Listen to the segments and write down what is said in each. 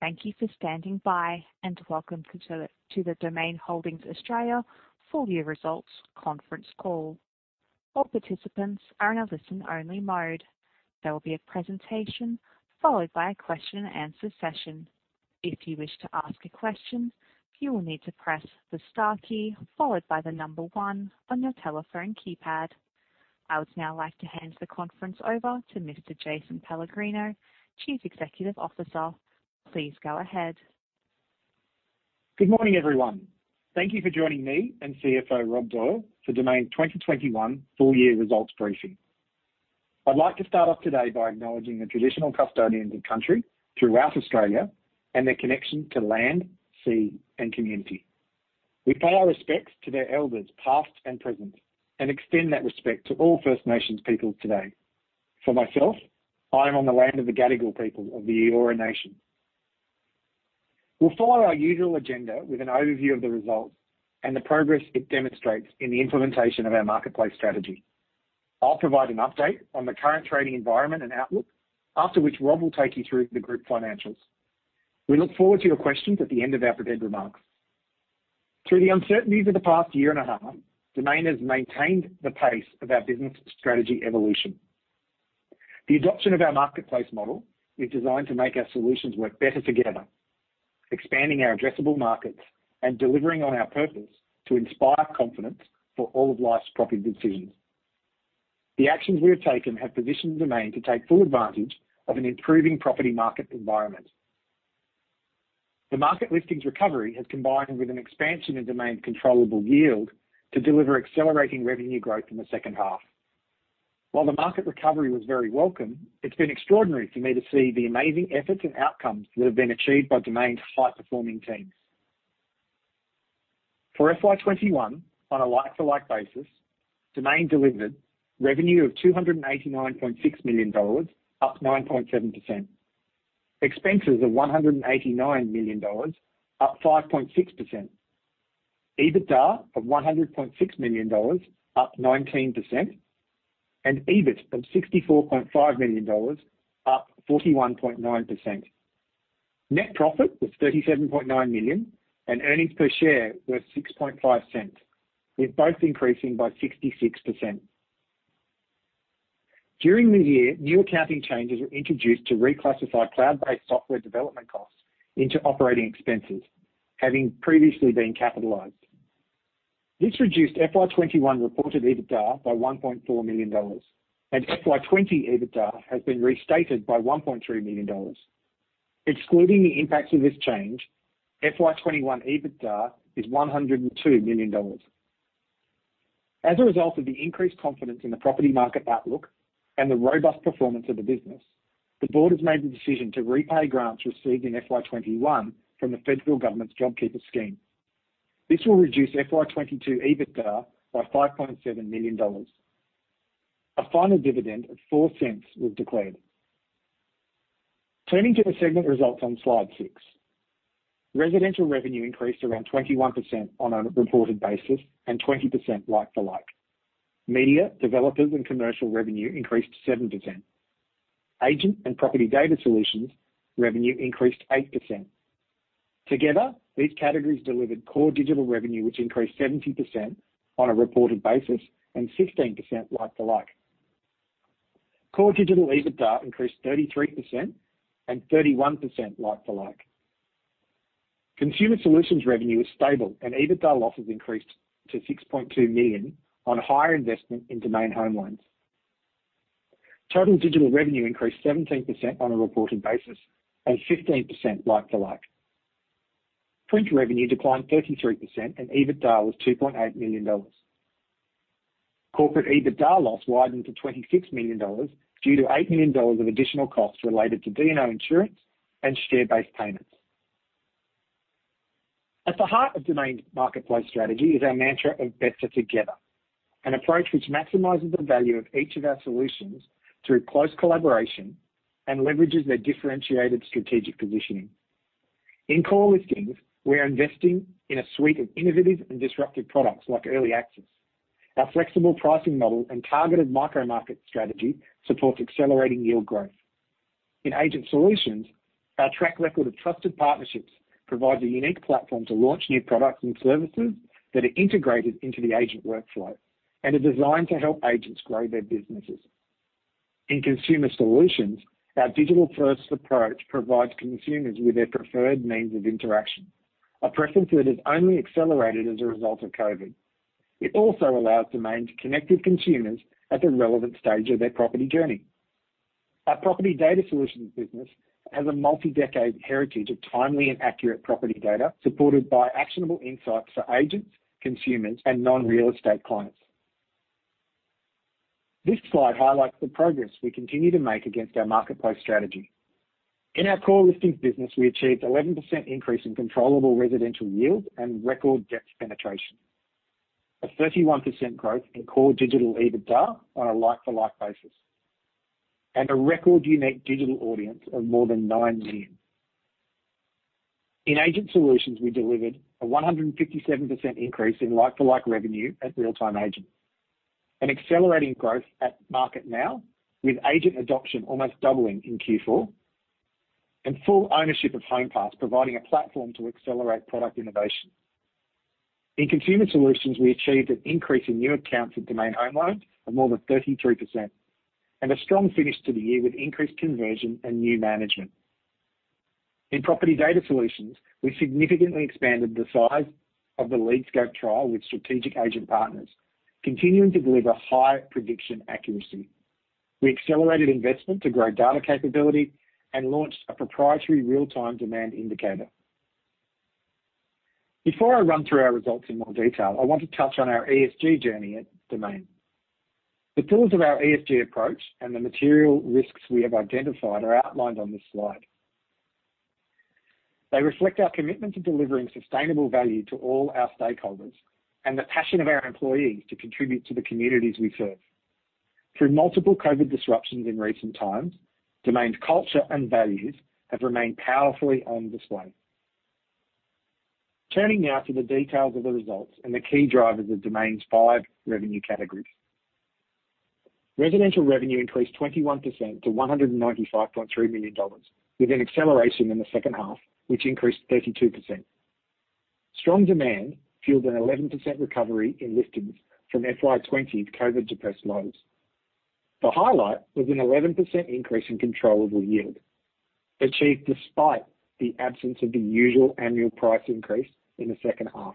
Thank you for standing by, and welcome to the Domain Holdings Australia full-year results conference call. All participants are in a listen-only mode. There will be a presentation followed by a question and answer session. If you wish to ask a question, you will need to press the star key followed by the number one on your telephone keypad. I would now like to hand the conference over to Mr. Jason Pellegrino, Chief Executive Officer. Please go ahead. Good morning, everyone. Thank you for joining me and CFO Rob Doyle for Domain 2021 full-year results briefing. I'd like to start off today by acknowledging the traditional custodians of the country throughout Australia and their connection to land, sea, and community. We pay our respects to their elders, past and present, and extend that respect to all First Nations peoples today. For myself, I am on the land of the Gadigal people of the Eora Nation. We'll follow our usual agenda with an overview of the results and the progress it demonstrates in the implementation of our marketplace strategy. I'll provide an update on the current trading environment and outlook, after which Rob will take you through the group financials. We look forward to your questions at the end of our prepared remarks. Through the uncertainties of the past 1.5 years, Domain has maintained the pace of our business strategy evolution. The adoption of our marketplace model is designed to make our solutions work better together, expanding our addressable markets and delivering on our purpose to inspire confidence for all of life's property decisions. The actions we have taken have positioned Domain to take full advantage of an improving property market environment. The market listings recovery has combined with an expansion in Domain controllable yield to deliver accelerating revenue growth in the second half. While the market recovery was very welcome, it's been extraordinary for me to see the amazing efforts and outcomes that have been achieved by Domain's high-performing teams. For FY 2021, on a like-for-like basis, Domain delivered revenue of AUD 289.6 million, up 9.7%. Expenses of AUD 189 million, up 5.6%. EBITDA of AUD 100.6 million, up 19%, and EBIT of AUD 64.5 million, up 41.9%. Net profit was AUD 37.9 million, and earnings per share were 0.065, with both increasing by 66%. During the year, new accounting changes were introduced to reclassify cloud-based software development costs into operating expenses, having previously been capitalized. This reduced FY 2021 reported EBITDA by 1.4 million dollars, and FY 2020 EBITDA has been restated by 1.3 million dollars. Excluding the impacts of this change, FY 2021 EBITDA is 102 million dollars. As a result of the increased confidence in the property market outlook and the robust performance of the business, the board has made the decision to repay grants received in FY 2021 from the federal government's JobKeeper scheme. This will reduce FY 2022 EBITDA by 5.7 million dollars. A final dividend of 0.04 was declared. Turning to the segment results on slide six. Residential revenue increased around 21% on a reported basis and 20% like for like. Media, developers, and commercial revenue increased 7%. Agent and property data solutions revenue increased 8%. Together, these categories delivered core digital revenue, which increased 70% on a reported basis and 16% like to like. Core digital EBITDA increased 33% and 31% like to like. Consumer solutions revenue is stable and EBITDA losses increased to 6.2 million on higher investment in Domain Home Loans. Total digital revenue increased 17% on a reported basis and 15% like to like. Print revenue declined 33%, and EBITDA was 2.8 million dollars. Corporate EBITDA loss widened to 26 million dollars due to 8 million dollars of additional costs related to D&O insurance and share-based payments. At the heart of Domain's marketplace strategy is our mantra of better together, an approach which maximizes the value of each of our solutions through close collaboration and leverages their differentiated strategic positioning. In core listings, we are investing in a suite of innovative and disruptive products like Early Access. Our flexible pricing model and targeted micro-market strategy supports accelerating yield growth. In agent solutions, our track record of trusted partnerships provides a unique platform to launch new products and services that are integrated into the agent workflow and are designed to help agents grow their businesses. In consumer solutions, our digital-first approach provides consumers with their preferred means of interaction, a preference that has only accelerated as a result of COVID. It also allows Domain to connect with consumers at the relevant stage of their property journey. Our property data solutions business has a multi-decade heritage of timely and accurate property data, supported by actionable insights for agents, consumers, and non-real estate clients. This slide highlights the progress we continue to make against our marketplace strategy. In our core listings business, we achieved 11% increase in controllable residential yield and record depth penetration, a 31% growth in core digital EBITDA on a like-for-like basis, and a record unique digital audience of more than 9 million. In agent solutions, we delivered a 157% increase in like-to-like revenue at Real Time Agent, an accelerating growth at MarketNow with agent adoption almost doubling in Q4, and full ownership of Homepass, providing a platform to accelerate product innovation. In consumer solutions, we achieved an increase in new accounts at Domain Home Loans of more than 33%, and a strong finish to the year with increased conversion and new management. In property data solutions, we significantly expanded the size of the LeadScope trial with strategic agent partners, continuing to deliver high prediction accuracy. We accelerated investment to grow data capability and launched a proprietary real-time demand indicator. Before I run through our results in more detail, I want to touch on our ESG journey at Domain. The pillars of our ESG approach and the material risks we have identified are outlined on this slide. They reflect our commitment to delivering sustainable value to all our stakeholders and the passion of our employees to contribute to the communities we serve. Through multiple COVID disruptions in recent times, Domain's culture and values have remained powerfully on display. Turning now to the details of the results and the key drivers of Domain's five revenue categories. Residential revenue increased 21% to 195.3 million dollars, with an acceleration in the second half, which increased 32%. Strong demand fueled an 11% recovery in listings from FY 2020's COVID-depressed lows. The highlight was an 11% increase in controllable yield, achieved despite the absence of the usual annual price increase in the second half.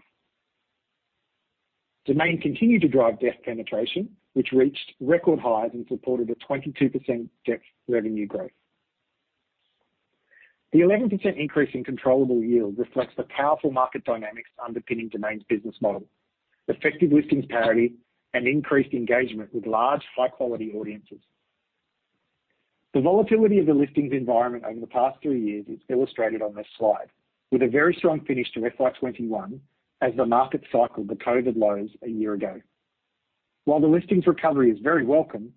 Domain continued to drive depth penetration, which reached record highs and supported a 22% depth revenue growth. The 11% increase in controllable yield reflects the powerful market dynamics underpinning Domain's business model, effective listings parity, and increased engagement with large, high-quality audiences. The volatility of the listings environment over the past three years is illustrated on this slide, with a very strong finish to FY 2021 as the market cycled the COVID lows a year ago. While the listings recovery is very welcome,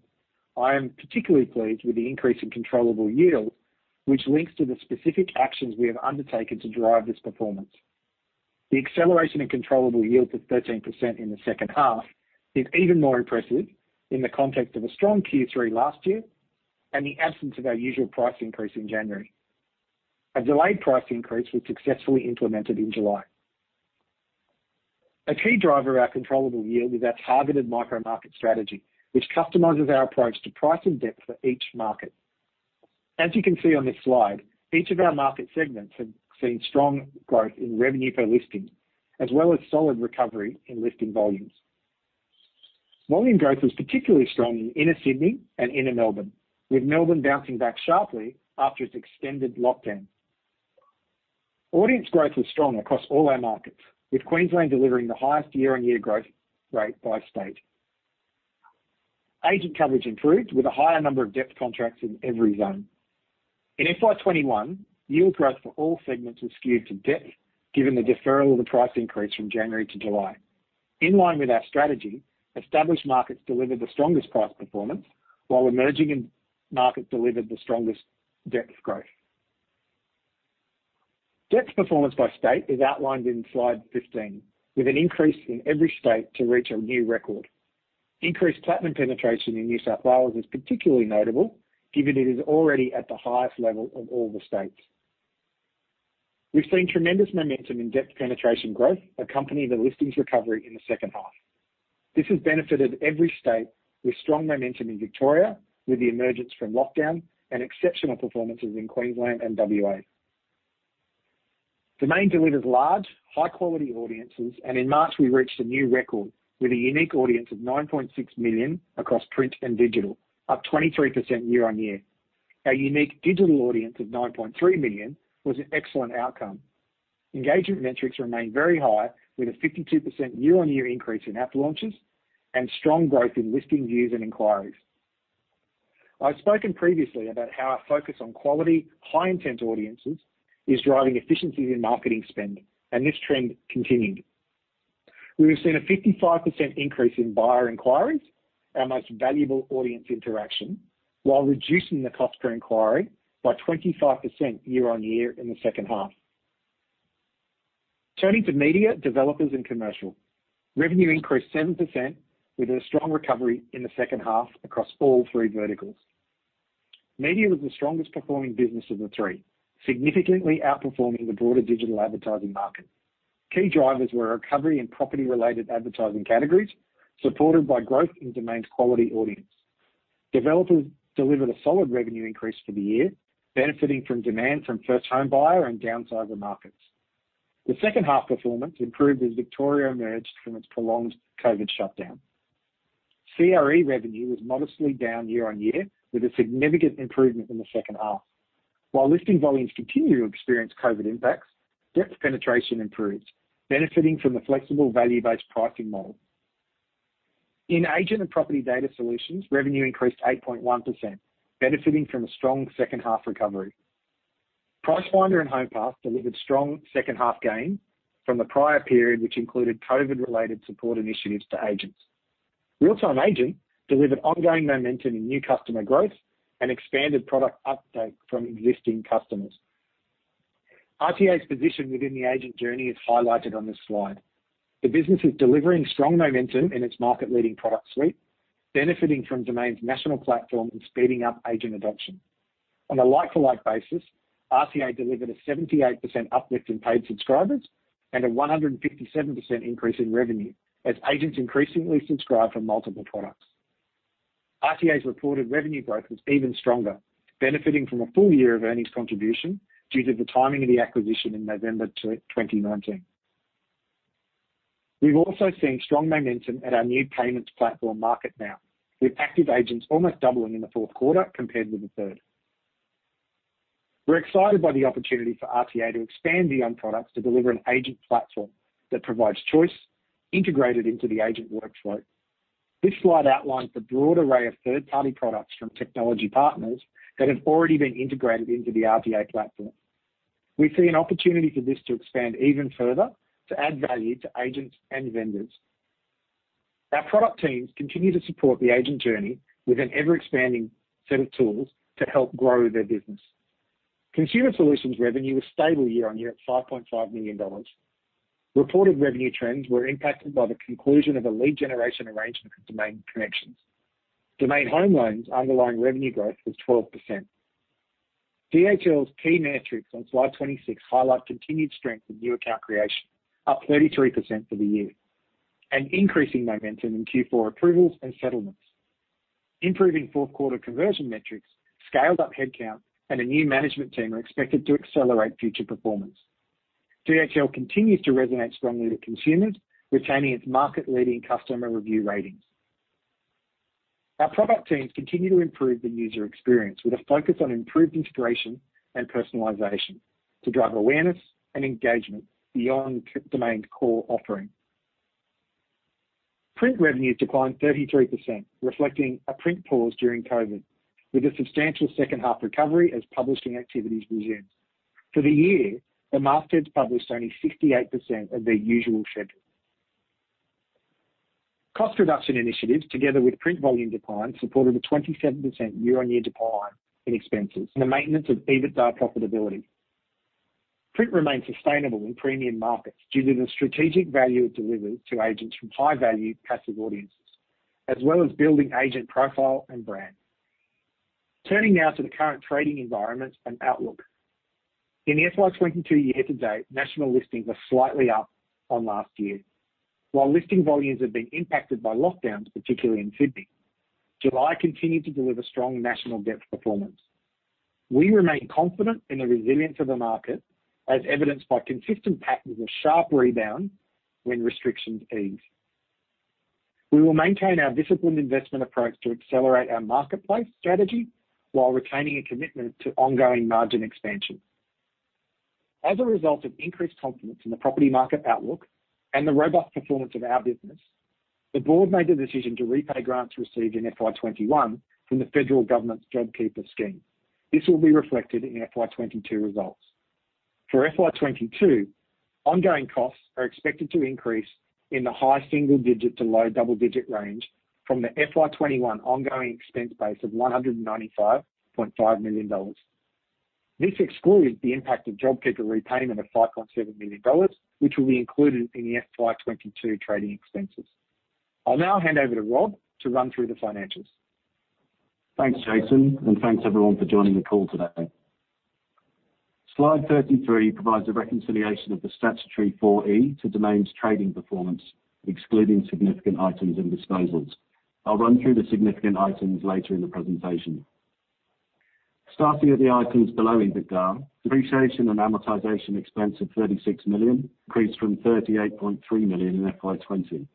I am particularly pleased with the increase in controllable yield, which links to the specific actions we have undertaken to drive this performance. The acceleration in controllable yield to 13% in the second half is even more impressive in the context of a strong Q3 last year and the absence of our usual price increase in January. A delayed price increase was successfully implemented in July. A key driver of our controllable yield is our targeted micro market strategy, which customizes our approach to price and depth for each market. As you can see on this slide, each of our market segments have seen strong growth in revenue per listing, as well as solid recovery in listing volumes. Volume growth was particularly strong in inner Sydney and inner Melbourne, with Melbourne bouncing back sharply after its extended lockdown. Audience growth was strong across all our markets, with Queensland delivering the highest year-on-year growth rate by state. Agent coverage improved with a higher number of depth contracts in every zone. In FY 2021, yield growth for all segments was skewed to depth, given the deferral of the price increase from January to July. In line with our strategy, established markets delivered the strongest price performance, while emerging markets delivered the strongest depth growth. Depth performance by state is outlined in slide 15, with an increase in every state to reach a new record. Increased Platinum penetration in New South Wales is particularly notable, given it is already at the highest level of all the states. We've seen tremendous momentum in depth penetration growth accompany the listings recovery in the second half. This has benefited every state with strong momentum in Victoria with the emergence from lockdown and exceptional performances in Queensland and W.A.. Domain delivers large, high-quality audiences, and in March, we reached a new record with a unique audience of 9.6 million across print and digital, up 23% year-on-year. Our unique digital audience of 9.3 million was an excellent outcome. Engagement metrics remain very high, with a 52% year-on-year increase in app launches and strong growth in listing views and inquiries. I've spoken previously about how our focus on quality, high-intent audiences is driving efficiencies in marketing spend, and this trend continued. We have seen a 55% increase in buyer inquiries, our most valuable audience interaction, while reducing the cost per inquiry by 25% year-on-year in the second half. Turning to media, developers, and commercial. Revenue increased 7% with a strong recovery in the second half across all three verticals. Media was the strongest performing business of the three, significantly outperforming the broader digital advertising market. Key drivers were a recovery in property-related advertising categories, supported by growth in Domain's quality audience. Developers delivered a solid revenue increase for the year, benefiting from demand from first home buyer and downsizer markets. The second half performance improved as Victoria emerged from its prolonged COVID shutdown. CRE revenue was modestly down year-on-year, with a significant improvement in the second half. While listing volumes continue to experience COVID impacts, depth penetration improves, benefiting from the flexible value-based pricing model. In agent and property data solutions, revenue increased 8.1%, benefiting from a strong second half recovery. Pricefinder and Homepass delivered strong second half gains from the prior period, which included COVID-related support initiatives to agents. Real Time Agent delivered ongoing momentum in new customer growth and expanded product uptake from existing customers. RTA's position within the agent journey is highlighted on this slide. The business is delivering strong momentum in its market-leading product suite, benefiting from Domain's national platform and speeding up agent adoption. On a like-for-like basis, RTA delivered a 78% uplift in paid subscribers and a 157% increase in revenue as agents increasingly subscribe for multiple products. RTA's reported revenue growth was even stronger, benefiting from a full-year of earnings contribution due to the timing of the acquisition in November 2019. We've also seen strong momentum at our new payments platform MarketNow, with active agents almost doubling in the fourth quarter compared with the third. We're excited by the opportunity for RTA to expand beyond products to deliver an agent platform that provides choice integrated into the agent workflow. This slide outlines the broad array of third-party products from technology partners that have already been integrated into the RTA platform. We see an opportunity for this to expand even further to add value to agents and vendors. Our product teams continue to support the agent journey with an ever-expanding set of tools to help grow their business. Consumer solutions revenue was stable year-on-year at 5.5 million dollars. Reported revenue trends were impacted by the conclusion of a lead generation arrangement with Domain Connections. Domain Home Loans' underlying revenue growth was 12%. DHL's key metrics on slide 26 highlight continued strength in new account creation, up 33% for the year, and increasing momentum in Q4 approvals and settlements. Improving fourth quarter conversion metrics, scaled-up headcount, and a new management team are expected to accelerate future performance. DHL continues to resonate strongly with consumers, retaining its market-leading customer review ratings. Our product teams continue to improve the user experience with a focus on improved integration and personalization to drive awareness and engagement beyond Domain's core offering. Print revenues declined 33%, reflecting a print pause during COVID, with a substantial second half recovery as publishing activities resumed. For the year, the mastheads published only 68% of their usual schedule. Cost reduction initiatives, together with print volume decline, supported a 27% year-on-year decline in expenses and the maintenance of EBITDA profitability. Print remains sustainable in premium markets due to the strategic value it delivers to agents from high-value passive audiences, as well as building agent profile and brand. Turning now to the current trading environment and outlook. In the FY 2022 year-to-date, national listings are slightly up on last year. While listing volumes have been impacted by lockdowns, particularly in Sydney, July continued to deliver strong national depth performance. We remain confident in the resilience of the market, as evidenced by consistent patterns of sharp rebound when restrictions ease. We will maintain our disciplined investment approach to accelerate our marketplace strategy while retaining a commitment to ongoing margin expansion. As a result of increased confidence in the property market outlook and the robust performance of our business, the board made the decision to repay grants received in FY 2021 from the federal government's JobKeeper scheme. This will be reflected in FY 2022 results. For FY 2022, ongoing costs are expected to increase in the high single-digit to low double-digit range from the FY 2021 ongoing expense base of AUD 195.5 million. This excludes the impact of JobKeeper repayment of AUD 5.7 million, which will be included in the FY 2022 trading expenses. I'll now hand over to Rob to run through the financials. Thanks, Jason, and thanks everyone for joining the call today. Slide 33 provides a reconciliation of the statutory 4E to Domain's trading performance, excluding significant items and disposals. I'll run through the significant items later in the presentation. Starting at the items below EBITDA, depreciation and amortization expense of 36 million increased from 38.3 million in FY 2020.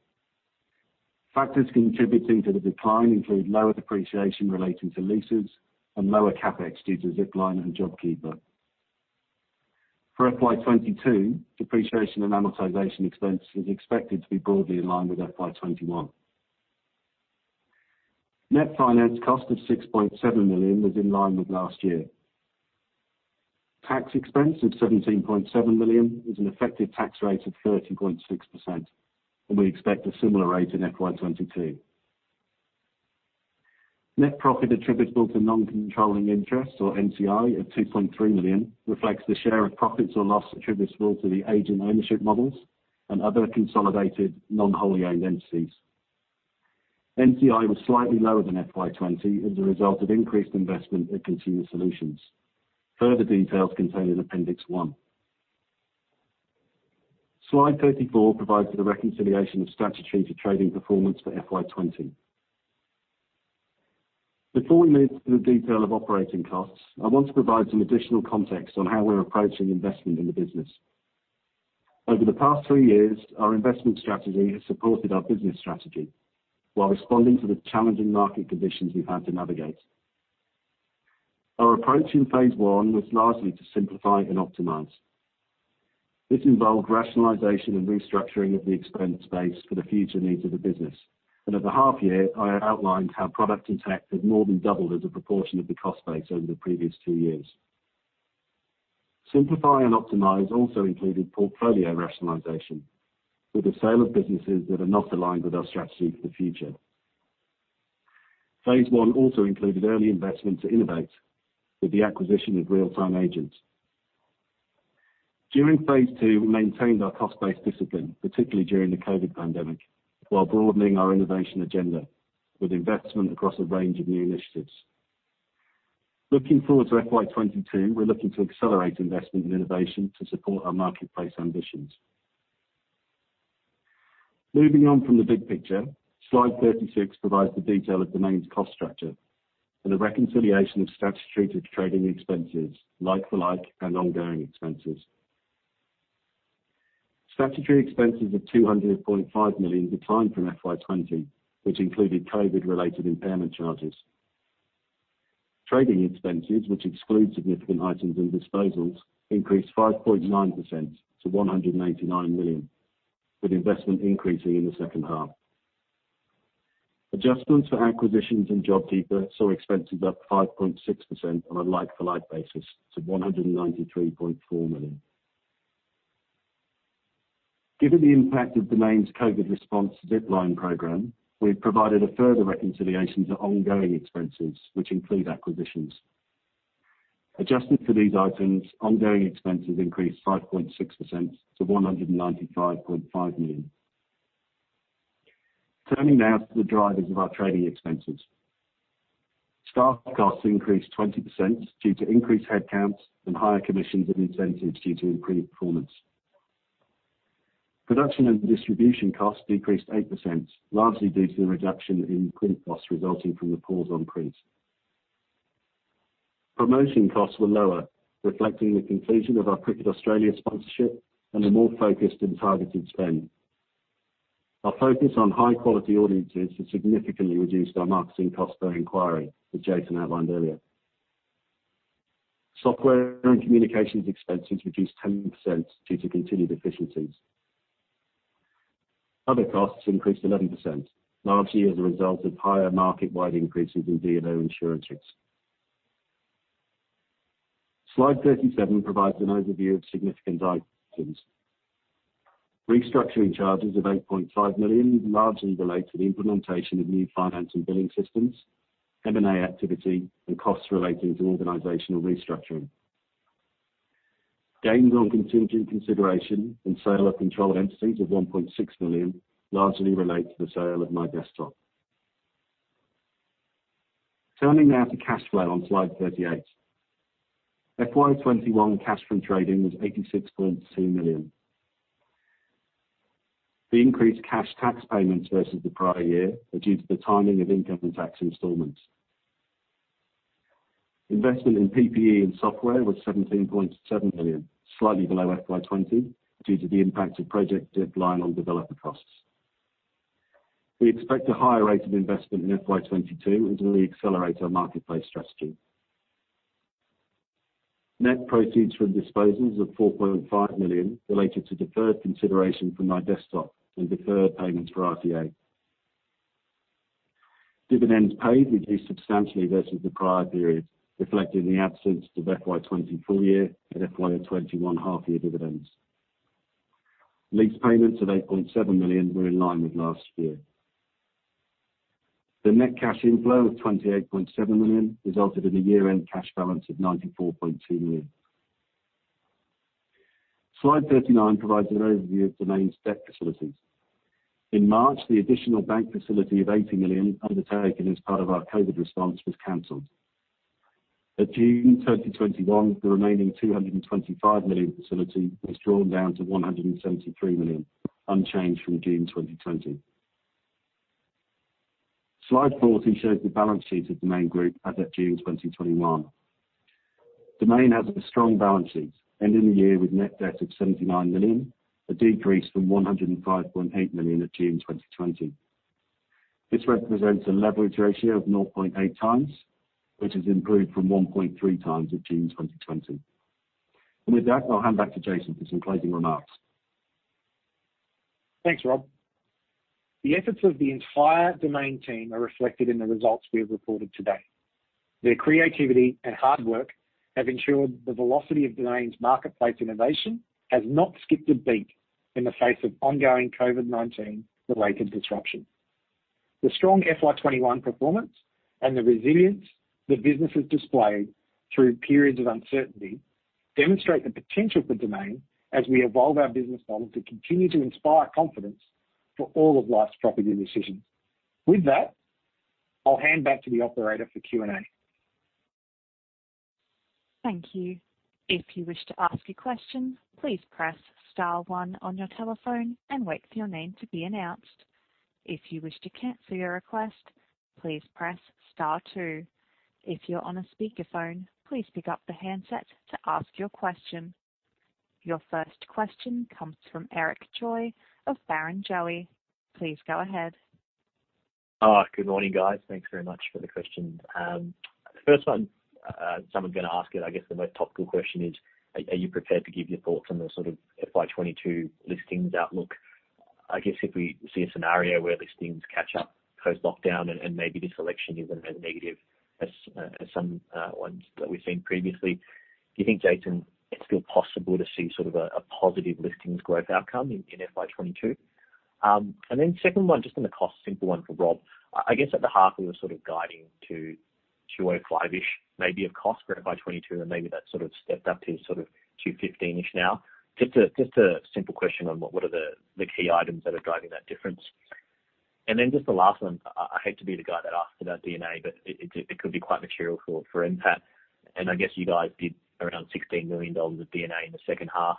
Factors contributing to the decline include lower depreciation relating to leases and lower CapEx due to Zipline and JobKeeper. For FY 2022, depreciation and amortization expense is expected to be broadly in line with FY 2021. Net finance cost of 6.7 million was in line with last year. Tax expense of 17.7 million is an effective tax rate of 30.6%, and we expect a similar rate in FY 2022. Net profit attributable to non-controlling interests or NCI of 2.3 million reflects the share of profits or loss attributable to the agent ownership models and other consolidated non-wholly owned entities. NCI was slightly lower than FY 2020 as a result of increased investment in consumer solutions. Further details contained in Appendix 1. Slide 34 provides the reconciliation of statutory to trading performance for FY 2020. Before we move to the detail of operating costs, I want to provide some additional context on how we're approaching investment in the business. Over the past three years, our investment strategy has supported our business strategy while responding to the challenging market conditions we've had to navigate. Our approach in Phase 1 was largely to simplify and optimize. This involved rationalization and restructuring of the expense base for the future needs of the business. At the half-year, I outlined how product and tech had more than doubled as a proportion of the cost base over the previous two years. Simplify and optimize also included portfolio rationalization, with the sale of businesses that are not aligned with our strategy for the future. Phase 1 also included early investment to innovate, with the acquisition of Real Time Agent. During Phase 2, we maintained our cost-based discipline, particularly during the COVID pandemic, while broadening our innovation agenda with investment across a range of new initiatives. Looking forward to FY 2022, we're looking to accelerate investment in innovation to support our marketplace ambitions. Moving on from the big picture, slide 36 provides the detail of Domain's cost structure and a reconciliation of statutory trading expenses, like-for-like, and ongoing expenses. Statutory expenses of 200.5 million declined from FY 2020, which included COVID related impairment charges. Trading expenses, which exclude significant items and disposals, increased 5.9% to 189 million, with investment increasing in the second half. Adjustments for acquisitions and JobKeeper saw expenses up 5.6% on a like-for-like basis to 193.4 million. Given the impact of Domain's COVID response Zipline program, we've provided a further reconciliation to ongoing expenses, which include acquisitions. Adjusted for these items, ongoing expenses increased 5.6% to 195.5 million. Turning now to the drivers of our trading expenses. Staff costs increased 20% due to increased headcounts and higher commissions and incentives due to improved performance. Production and distribution costs decreased 8%, largely due to the reduction in print costs resulting from the pause on print. Promotion costs were lower, reflecting the conclusion of our Cricket Australia sponsorship and a more focused and targeted spend. Our focus on high-quality audiences has significantly reduced our marketing cost per inquiry, as Jason outlined earlier. Software and communications expenses reduced 10% due to continued efficiencies. Other costs increased 11%, largely as a result of higher market-wide increases in D&O insurances. Slide 37 provides an overview of significant items. Restructuring charges of 8.5 million largely relate to the implementation of new finance and billing systems, M&A activity, and costs relating to organizational restructuring. Gains on contingent consideration and sale of controlled entities of 1.6 million largely relate to the sale of MyDesktop. Turning now to cash flow on slide 38. FY 2021 cash from trading was 86.2 million. The increased cash tax payments versus the prior year are due to the timing of income and tax installments. Investment in PPE and software was 17.7 million, slightly below FY 2020 due to the impact of Project Zipline on developer costs. We expect a higher rate of investment in FY 2022 as we accelerate our marketplace strategy. Net proceeds from disposals of 4.5 million related to deferred consideration for MyDesktop and deferred payments for RP Data. Dividends paid reduced substantially versus the prior period, reflecting the absence of FY 2020 full-year and FY 2021 half-year dividends. Lease payments of 8.7 million were in line with last year. The net cash inflow of 28.7 million resulted in a year-end cash balance of 94.2 million. Slide 39 provides an overview of Domain's debt facilities. In March, the additional bank facility of 80 million undertaken as part of our COVID response was canceled. At June 2021, the remaining 225 million facility was drawn down to 173 million, unchanged from June 2020. Slide 40 shows the balance sheet of Domain Group as at June 2021. Domain has a strong balance sheet, ending the year with net debt of 79 million, a decrease from 105.8 million at June 2020. This represents a leverage ratio of 0.8x, which has improved from 1.3x at June 2020. With that, I'll hand back to Jason for some closing remarks. Thanks, Rob. The efforts of the entire Domain team are reflected in the results we have reported today. Their creativity and hard work have ensured the velocity of Domain's marketplace innovation has not skipped a beat in the face of ongoing COVID-19 related disruption. The strong FY 2021 performance and the resilience the business has displayed through periods of uncertainty demonstrate the potential for Domain as we evolve our business model to continue to inspire confidence for all of life's property decisions. With that, I'll hand back to the operator for Q&A. Thank you. If you wish to ask a question, please press star one on your telephone and wait for your name to be announced. If you wish to cancel your request, please press star two. If you're on a speakerphone, please pick up the handset to ask your question. Your first question comes from Eric Choi of Barrenjoey. Please go ahead. Good morning, guys. Thanks very much for the questions. First one, someone's going to ask it, I guess the most topical question is, are you prepared to give your thoughts on the FY 2022 listings outlook? I guess if we see a scenario where listings catch up post-lockdown and maybe this election isn't as negative as some ones that we've seen previously. Do you think, Jason, it's still possible to see sort of a positive listings growth outcome in FY 2022? Second one, just on the cost, simple one for Rob. At the half, we were sort of guiding to 205-ish maybe of cost for FY 2022, and maybe that sort of stepped up to sort of 215-ish now. Just a simple question on what are the key items that are driving that difference. Just the last one, I hate to be the guy that asks about D&A, but it could be quite material for impact. I guess you guys did around 16 million dollars of D&A in the second half,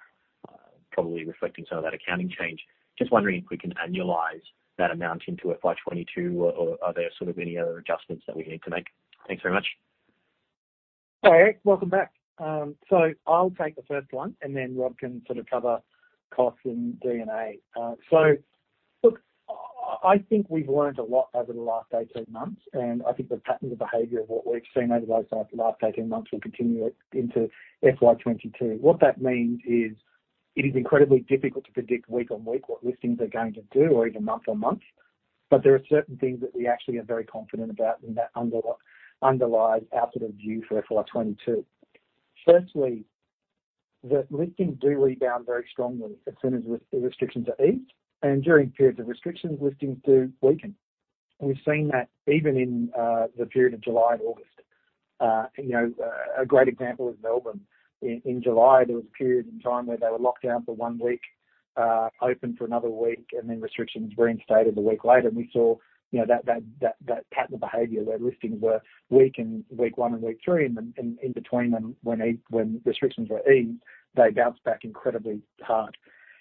probably reflecting some of that accounting change. Just wondering if we can annualize that amount into FY 2022, or are there sort of any other adjustments that we need to make? Thanks very much. Hi, Eric. Welcome back. I'll take the first one, and then Rob can sort of cover cost and D&A. Look, I think we've learned a lot over the last 18 months, and I think the pattern of behavior of what we've seen over those last 18 months will continue into FY 2022. What that means is it is incredibly difficult to predict week on week what listings are going to do or even month on month, but there are certain things that we actually are very confident about and that underlies our sort of view for FY 2022. Firstly, that listings do rebound very strongly as soon as restrictions are eased, and during periods of restrictions, listings do weaken. We've seen that even in the period of July and August. A great example is Melbourne. In July, there was a period in time where they were locked down for one week, open for another week, and then restrictions reinstated a week later. We saw that pattern of behavior, where listings were weak in week one and week three, and in between them, when restrictions were eased, they bounced back incredibly hard.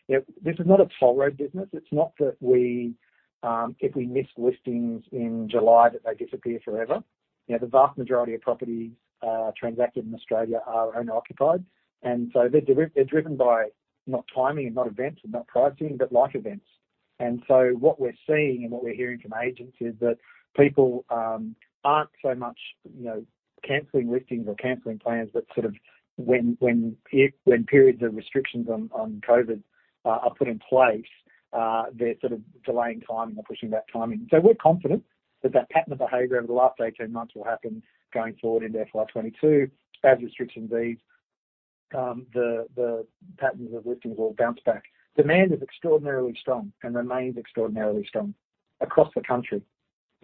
This is not a toll road business. It's not that if we miss listings in July that they disappear forever. The vast majority of properties transacted in Australia are owner-occupied, so they're driven by not timing and not events and not pricing, but life events. What we're seeing and what we're hearing from agents is that people aren't so much canceling listings or canceling plans, but sort of when periods of restrictions on COVID are put in place, they're sort of delaying timing or pushing back timing. We're confident that that pattern of behavior over the last 18 months will happen going forward into FY 2022. As restrictions ease, the patterns of listings will bounce back. Demand is extraordinarily strong and remains extraordinarily strong across the country.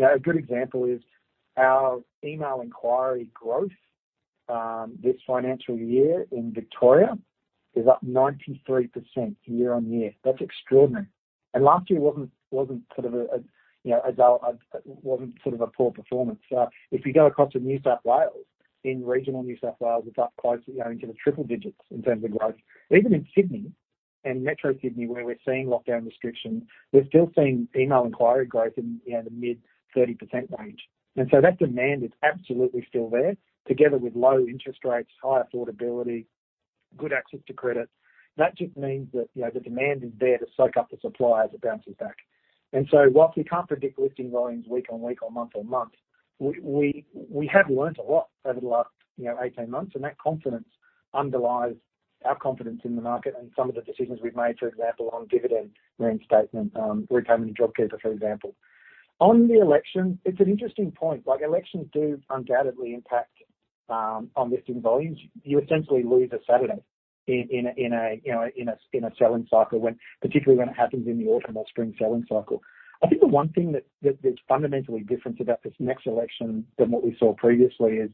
A good example is our email inquiry growth. This financial year in Victoria is up 93% year-on-year. That's extraordinary. Last year wasn't sort of a poor performance. If you go across to New South Wales, in regional New South Wales, it's up close into the triple digits in terms of growth. Even in Sydney and Metro Sydney, where we're seeing lockdown restrictions, we're still seeing email inquiry growth in the mid-30% range. That demand is absolutely still there, together with low interest rates, high affordability, good access to credit. That just means that the demand is there to soak up the supply as it bounces back. While we can't predict listing volumes week on week or month on month, we have learned a lot over the last 18 months, and that confidence underlies our confidence in the market and some of the decisions we've made, for example, on dividend reinstatement, repayment of JobKeeper, for example. On the election, it's an interesting point. Elections do undoubtedly impact on listing volumes. You essentially lose a Saturday in a selling cycle, particularly when it happens in the autumn or spring selling cycle. I think the one thing that's fundamentally different about this next election than what we saw previously is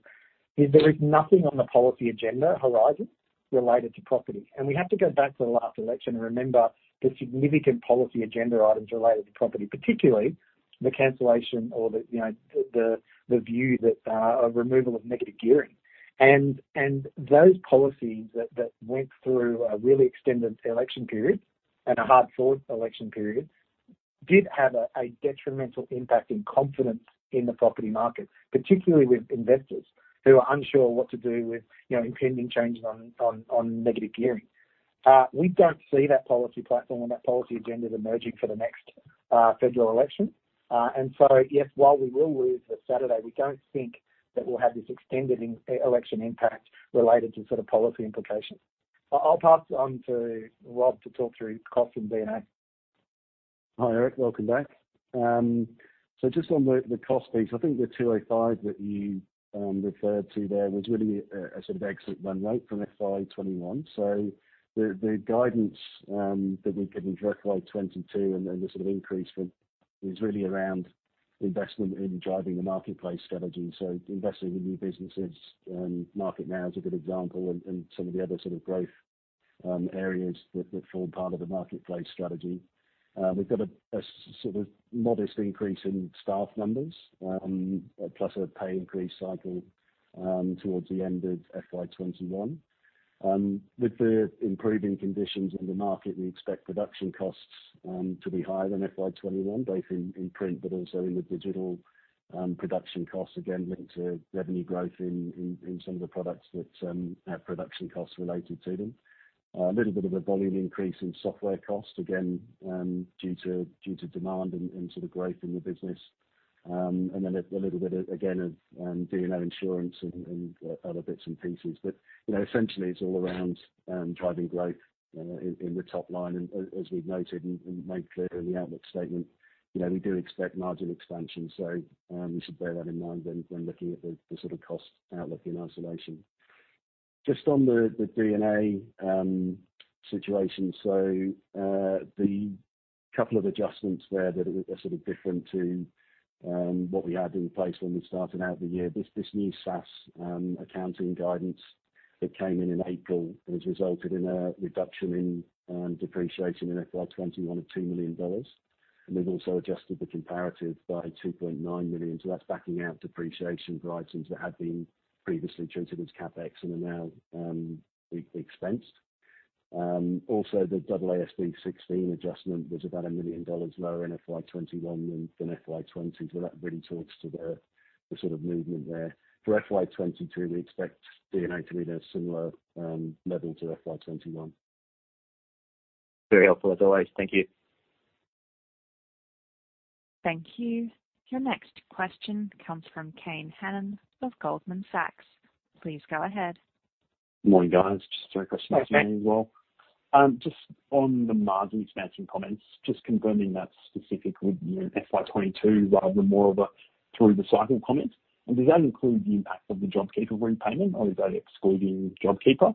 there is nothing on the policy agenda horizon related to property. We have to go back to the last election and remember the significant policy agenda items related to property, particularly the cancellation or the view that a removal of negative gearing. Those policies that went through a really extended election period and a hard-fought election period, did have a detrimental impact in confidence in the property market, particularly with investors who are unsure what to do with impending changes on negative gearing. We don't see that policy platform and that policy agenda emerging for the next federal election. Yes, while we will lose the Saturday, we don't think that we'll have this extended election impact related to sort of policy implications. I'll pass on to Rob to talk through cost and D&A. Hi, Eric. Welcome back. On the cost piece, I think the 205 that you referred to there was really a sort of exit run rate from FY 2021. The guidance that we give into FY 2022 and the sort of increase is really around investment in driving the marketplace strategy. Investing in new businesses, MarketNow is a good example, and some of the other sort of growth areas that form part of the marketplace strategy. We've got a sort of modest increase in staff numbers, plus a pay increase cycle towards the end of FY 2021. With the improving conditions in the market, we expect production costs to be higher than FY 2021, both in print, but also in the digital production costs, again linked to revenue growth in some of the products that have production costs related to them. A little bit of a volume increase in software cost, again, due to demand and sort of growth in the business. Then a little bit again of D&O insurance and other bits and pieces. Essentially, it's all around driving growth in the top line. As we've noted and made clear in the outlook statement, we do expect margin expansion. You should bear that in mind when looking at the sort of cost outlook in isolation. Just on the D&A situation. The couple of adjustments there that are sort of different to what we had in place when we started out the year. This new SaaS accounting guidance that came in in April has resulted in a reduction in depreciation in FY 2021 of 2 million dollars. We've also adjusted the comparative by 2.9 million. That's backing out depreciation for items that had been previously treated as CapEx and are now expensed. The AASB 16 adjustment was about 1 million dollars lower in FY 2021 than FY 2020. That really talks to the sort of movement there. For FY 2022, we expect D&A to be at a similar level to FY 2021. Very helpful as always. Thank you. Thank you. Your next question comes from Kane Hannan of Goldman Sachs. Please go ahead. Morning, guys. Just three questions for you as well. Just on the margin expansion comments, just confirming that's specific with FY 2022 rather than more of a through the cycle comment. Does that include the impact of the JobKeeper repayment or is that excluding JobKeeper?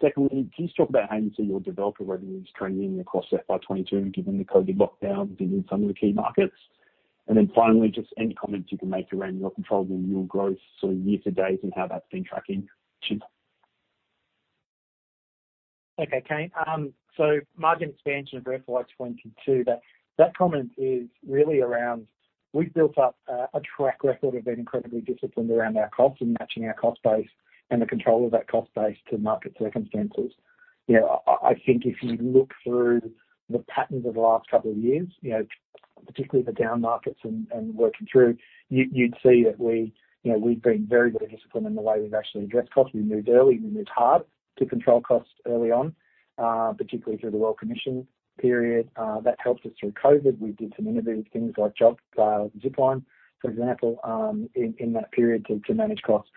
Secondly, can you talk about how you see your developer revenues trending across FY 2022, given the COVID lockdowns in some of the key markets? Finally, just any comments you can make around your controllable yield growth, so year-to-date and how that's been tracking. Okay, Kane. Margin expansion for FY 2022. That comment is really around, we've built up a track record of being incredibly disciplined around our costs and matching our cost base and the control of that cost base to market circumstances. I think if you look through the patterns of the last two years, particularly the down markets and working through, you'd see that we've been very disciplined in the way we've actually addressed costs. We moved early, we moved hard to control costs early on, particularly through the Royal Commission period. That helped us through COVID. We did some innovative things like Zipline, for example, in that period to manage costs.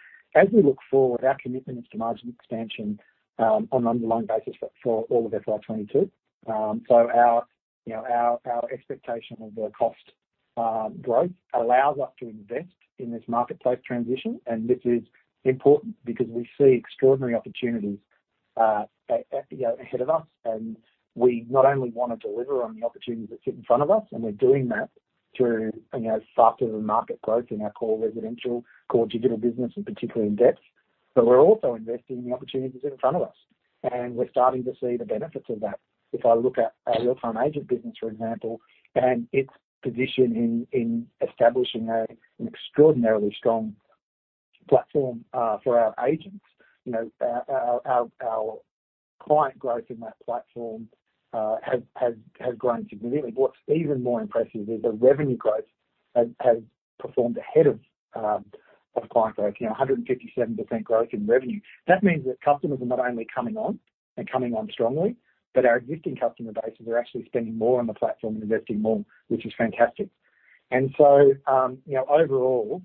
We look forward, our commitment is to margin expansion on an underlying basis for all of FY 2022. Our expectation of the cost growth allows us to invest in this marketplace transition. This is important because we see extraordinary opportunities ahead of us. We not only want to deliver on the opportunities that sit in front of us, and we're doing that through softer than market growth in our core residential, core digital business, and particularly in debt. We're also investing in the opportunities in front of us. We're starting to see the benefits of that. If I look at our Real Time Agent business, for example, and its position in establishing an extraordinarily strong platform for our agents. Our client growth in that platform has grown significantly. What's even more impressive is the revenue growth has performed ahead of client growth, 157% growth in revenue. That means that customers are not only coming on and coming on strongly, but our existing customer bases are actually spending more on the platform and investing more, which is fantastic. Overall,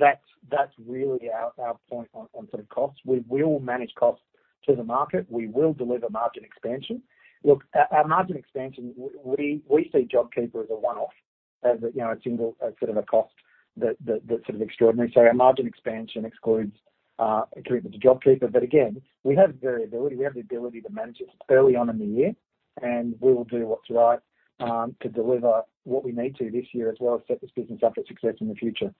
that's really our point on sort of costs. We will manage costs to the market. We will deliver margin expansion. Look, our margin expansion, we see JobKeeper as a one-off, as a single sort of a cost that's sort of extraordinary. Our margin expansion excludes commitment to JobKeeper. Again, we have variability. We have the ability to manage it early on in the year, and we will do what's right to deliver what we need to this year as well to set this business up for success in the future.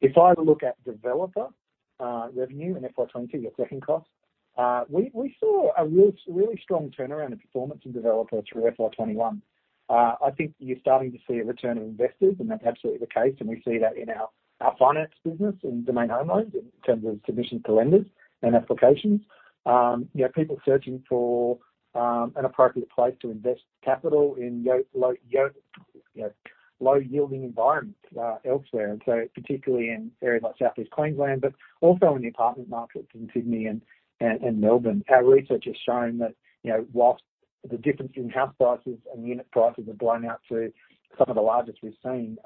If I look at developer revenue in FY 2020, your second cost, we saw a really strong turnaround in performance in developer through FY 2021. I think you're starting to see a return of investors, that's absolutely the case. We see that in our finance business, in Domain Home Loans, in terms of submissions to lenders and applications. People searching for an appropriate place to invest capital in low-yielding environments elsewhere. Particularly in areas like Southeast Queensland, but also in the apartment markets in Sydney and Melbourne. Our research has shown that whilst the difference in house prices and unit prices have blown out to some of the largest we've seen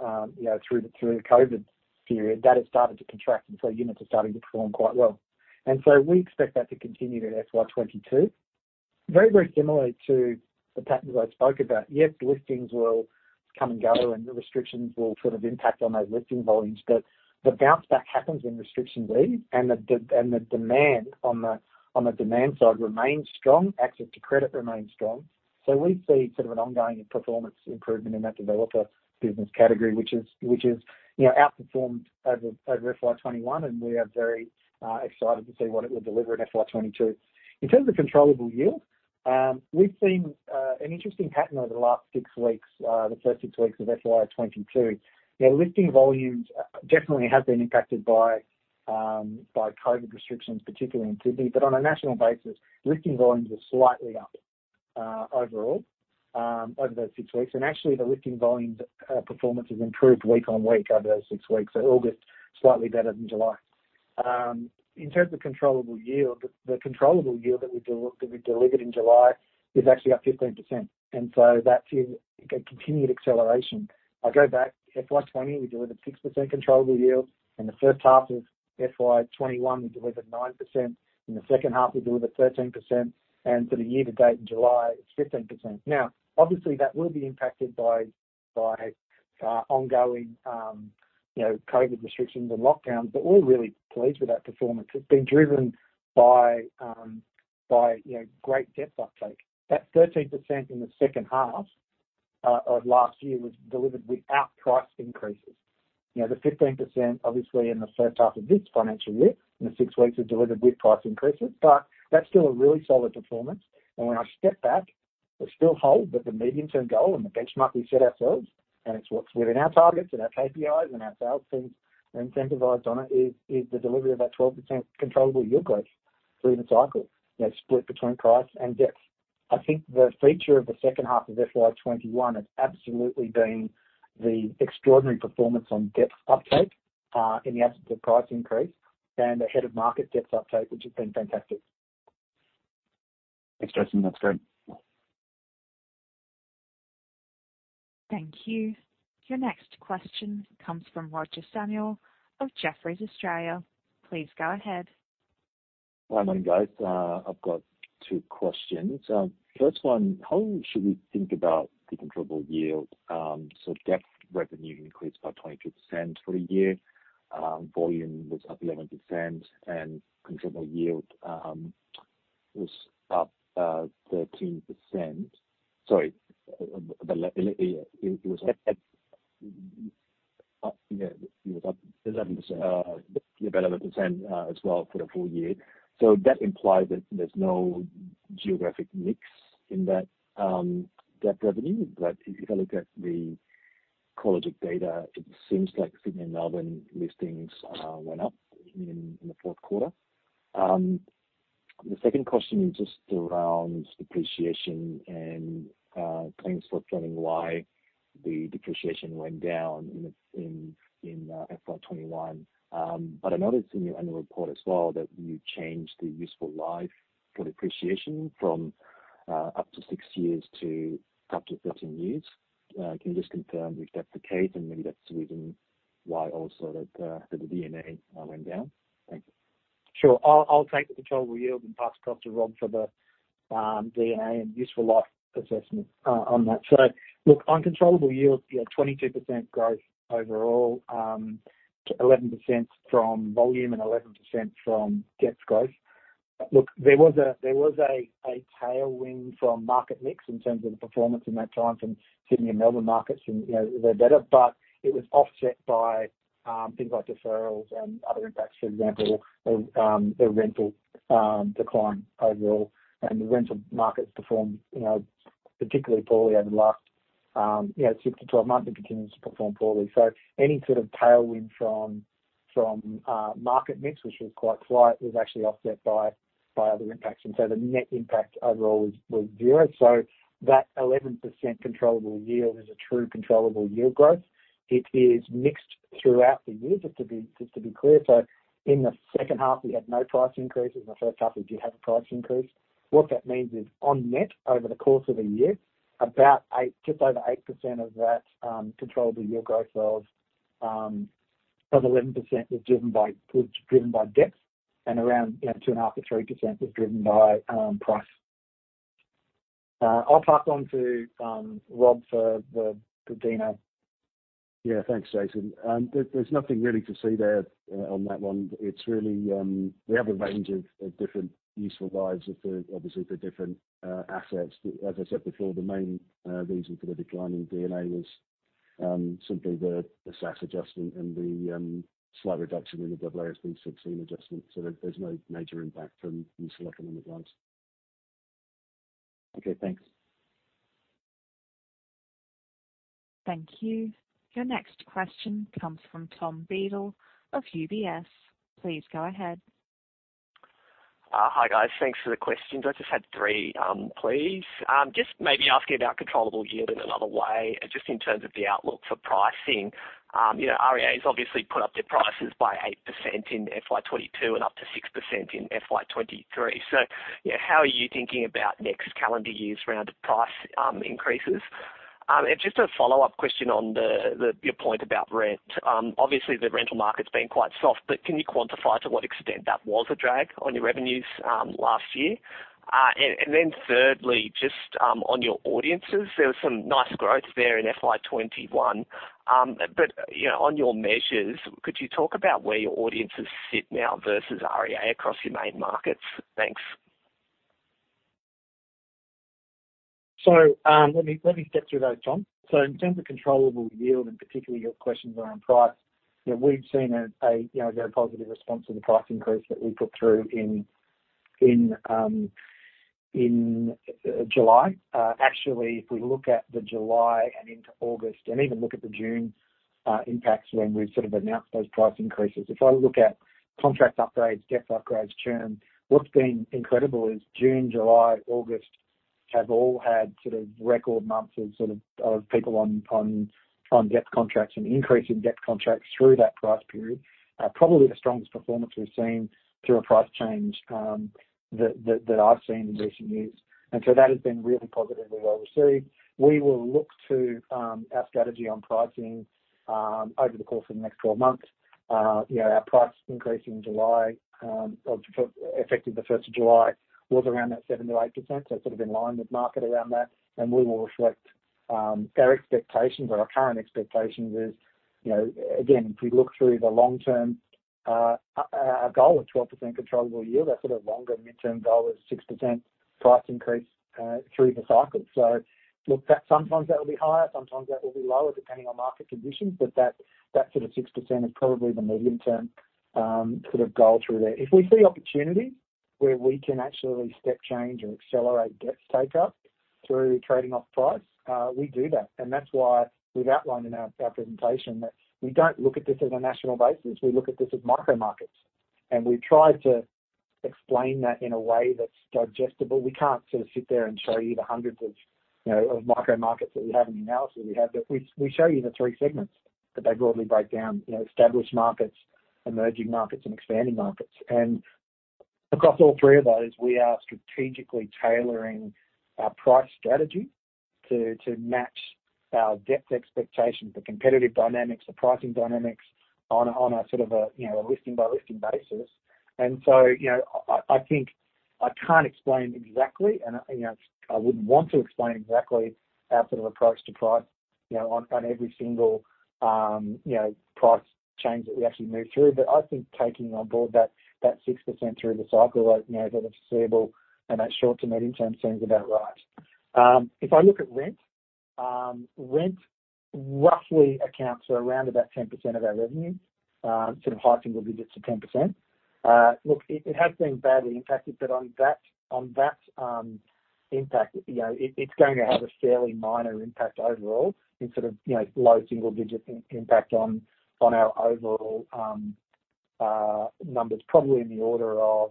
through the COVID period, that has started to contract, and so units are starting to perform quite well. We expect that to continue to FY 2022. Very similarly to the patterns I spoke about. Yes, listings will come and go, and the restrictions will sort of impact on those listing volumes, but the bounce back happens when restrictions leave, and the demand on the demand side remains strong, access to credit remains strong. We see sort of an ongoing performance improvement in that developer business category, which has outperformed over FY 2021, and we are very excited to see what it will deliver in FY 2022. In terms of controllable yield, we've seen an interesting pattern over the last six weeks, the first six weeks of FY 2022, where listing volumes definitely have been impacted by COVID restrictions, particularly in Sydney. On a national basis, listing volumes are slightly up overall over those six weeks. Actually, the listing volumes performance has improved week on week over those six weeks. August, slightly better than July. In terms of controllable yield, the controllable yield that we delivered in July is actually up 15%. That is a continued acceleration. I go back, FY 2020, we delivered 6% controllable yield. In the first half of FY 2021, we delivered 9%. In the second half, we delivered 13%. For the year-to-date in July, it's 15%. Obviously, that will be impacted by ongoing COVID restrictions and lockdowns, but we're really pleased with that performance. It's been driven by great depth uptake. That 13% in the second half of last year was delivered without price increases. The 15%, obviously in the first half of this financial year, in the six weeks, we delivered with price increases, but that's still a really solid performance. When I step back, we still hold that the medium-term goal and the benchmark we set ourselves, and it's what's within our targets and our KPIs and our sales teams are incentivized on it, is the delivery of that 12% controllable yield growth through the cycle. Split between price and depth. I think the feature of the second half of FY 2021 has absolutely been the extraordinary performance on depth uptake, in the absence of price increase and ahead of market depth uptake, which has been fantastic. Thanks, Jason. That's great. Thank you. Your next question comes from Roger Samuel of Jefferies Australia. Please go ahead. Hi, morning, guys. I've got two questions. First one, how should we think about the controllable yield? Depth revenue increased by 22% for the year. Volume was up 11% and controllable yield was up 13%. Sorry, it was up 11% as well for the full-year. That implies that there's no geographic mix in that depth revenue. If I look at the CoreLogic data, it seems like Sydney and Melbourne listings went up in the fourth quarter. The second question is just around depreciation and claims for explaining why the depreciation went down in FY 2021. I noticed in your annual report as well that you changed the useful life for depreciation from up to six years to up to 13 years. Can you just confirm if that's the case and maybe that's the reason why also that the D&A went down? Thank you. Sure. I'll take the controllable yield and pass across to Rob for the D&A and useful life assessment on that. On controllable yield, 22% growth overall, 11% from volume and 11% from depth growth. There was a tailwind from market mix in terms of the performance in that time from Sydney and Melbourne markets, and they're better, but it was offset by things like deferrals and other impacts. For example, a rental decline overall and the rental markets performed particularly poorly over the last 6-12 months and continues to perform poorly. Any sort of tailwind from market mix, which was quite slight, was actually offset by other impacts. The net impact overall was zero. That 11% controllable yield is a true controllable yield growth. It is mixed throughout the year, just to be clear. In the second half, we had no price increases. In the first half, we did have a price increase. That means on net, over the course of a year, about just over 8% of that controllable yield growth of 11% was driven by depth and around 2.5%-3% was driven by price. I will pass on to Rob for the D&A. Yeah. Thanks, Jason. There's nothing really to see there on that one. We have a range of different useful lives of obviously the different assets. As I said before, the main reason for the decline in D&A was simply the SaaS adjustment and the slight reduction in the AASB 16 adjustment. There's no major impact from useful economic lives. Okay, thanks. Thank you. Your next question comes from Tom Beadle of UBS. Please go ahead. Hi, guys. Thanks for the questions. I just had three, please. Maybe asking about controllable yield in another way, just in terms of the outlook for pricing. REA has obviously put up their prices by 8% in FY 2022 and up to 6% in FY 2023. How are you thinking about next calendar year's round of price increases? Just a follow-up question on your point about rent. Obviously, the rental market's been quite soft, can you quantify to what extent that was a drag on your revenues last year? Thirdly, just on your audiences, there was some nice growth there in FY 2021. On your measures, could you talk about where your audiences sit now versus REA across your main markets? Thanks. Let me get through those, Tom. In terms of controllable yield, and particularly your questions around price, we've seen a very positive response to the price increase that we put through in July. Actually, if we look at the July and into August and even look at the June impacts when we've sort of announced those price increases. If I look at contract upgrades, depth upgrades, churn, what's been incredible is June, July, August have all had sort of record months of people on depth contracts and increase in depth contracts through that price period. Probably the strongest performance we've seen through a price change, that I've seen in recent years. That has been really positively well received. We will look to our strategy on pricing over the course of the next 12 months. Our price increase effective the 1st of July, was around that 7%-8%, sort of in line with market around that. We will reflect our expectations or our current expectations is, again, if we look through the long-term, our goal of 12% controllable yield, our sort of longer midterm goal is 6% price increase through the cycle. Look, sometimes that will be higher, sometimes that will be lower, depending on market conditions. That sort of 6% is probably the medium-term sort of goal through there. If we see opportunity where we can actually step change or accelerate debt take up through trading off price, we do that. That's why we've outlined in our presentation that we don't look at this as a national basis, we look at this as micro markets. We've tried to explain that in a way that's digestible. We can't sort of sit there and show you the hundreds of micro markets that we have in the analysis we have, but we show you the three segments that they broadly break down, established markets, emerging markets, and expanding markets. Across all three of those, we are strategically tailoring our price strategy to match our depth expectations, the competitive dynamics, the pricing dynamics on a sort of a listing-by-listing basis. I think I can't explain exactly and I wouldn't want to explain exactly our sort of approach to price on every single price change that we actually move through. I think taking on board that 6% through the cycle over the foreseeable and that short to medium-term seems about right. If I look at rent roughly accounts for around about 10% of our revenue, sort of high single digits to 10%. Look, it has been badly impacted, but on that impact, it's going to have a fairly minor impact overall in sort of low single-digit impact on our overall numbers. Probably in the order of,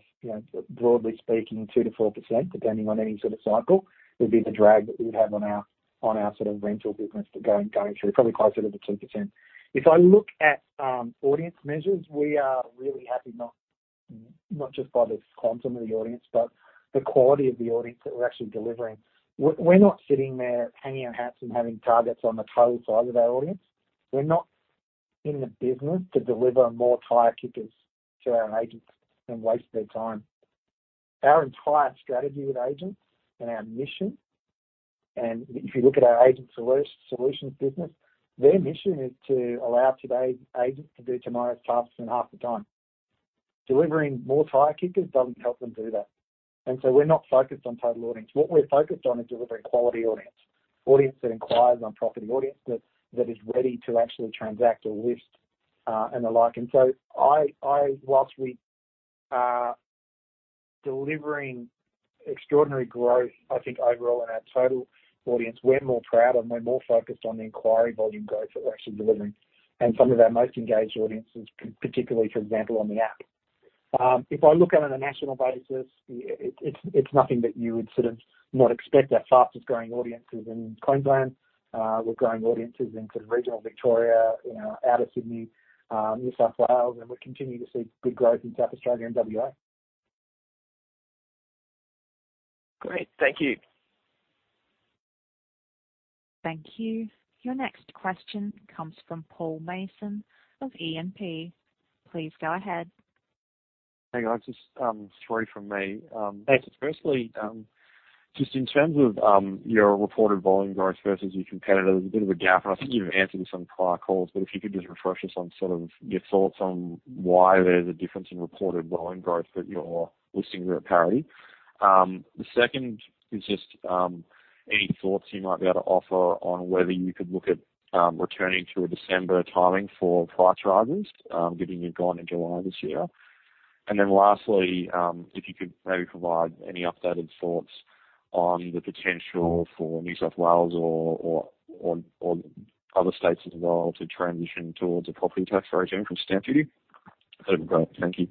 broadly speaking, 2%-4%, depending on any sort of cycle, would be the drag that we would have on our sort of rental business going through, probably closer to the 2%. If I look at audience measures, we are really happy, not just by the quantum of the audience, but the quality of the audience that we're actually delivering. We're not sitting there hanging our hats and having targets on the total size of our audience. We're not in the business to deliver more tire kickers to our agents and waste their time. Our entire strategy with agents and our mission, and if you look at our agent solutions business, their mission is to allow today's agents to do tomorrow's tasks in half the time. Delivering more tire kickers doesn't help them do that. We're not focused on total audience. What we're focused on is delivering quality audience. Audience that inquires on property, audience that is ready to actually transact or list, and the like. Whilst we are delivering extraordinary growth, I think overall in our total audience, we're more proud and we're more focused on the inquiry volume growth that we're actually delivering and some of our most engaged audiences, particularly, for example, on the app. If I look at it on a national basis, it's nothing that you would sort of not expect. Our fastest-growing audience is in Queensland. We're growing audiences in sort of regional Victoria, outer Sydney, New South Wales, and we're continuing to see good growth in South Australia and W.A.. Great. Thank you. Thank you. Your next question comes from Paul Mason of E&P. Please go ahead. Hey, guys. Just three from me. Thanks. Just in terms of your reported volume growth versus your competitor, there's a bit of a gap, and I think you've answered this on prior calls, but if you could just refresh us on sort of your thoughts on why there's a difference in reported volume growth, but your listings are at parity. The second is just any thoughts you might be able to offer on whether you could look at returning to a December timing for price rises, given you've gone in July this year. Lastly, if you could maybe provide any updated thoughts on the potential for New South Wales or other states as well to transition towards a property tax regime from stamp duty. That'd be great. Thank you.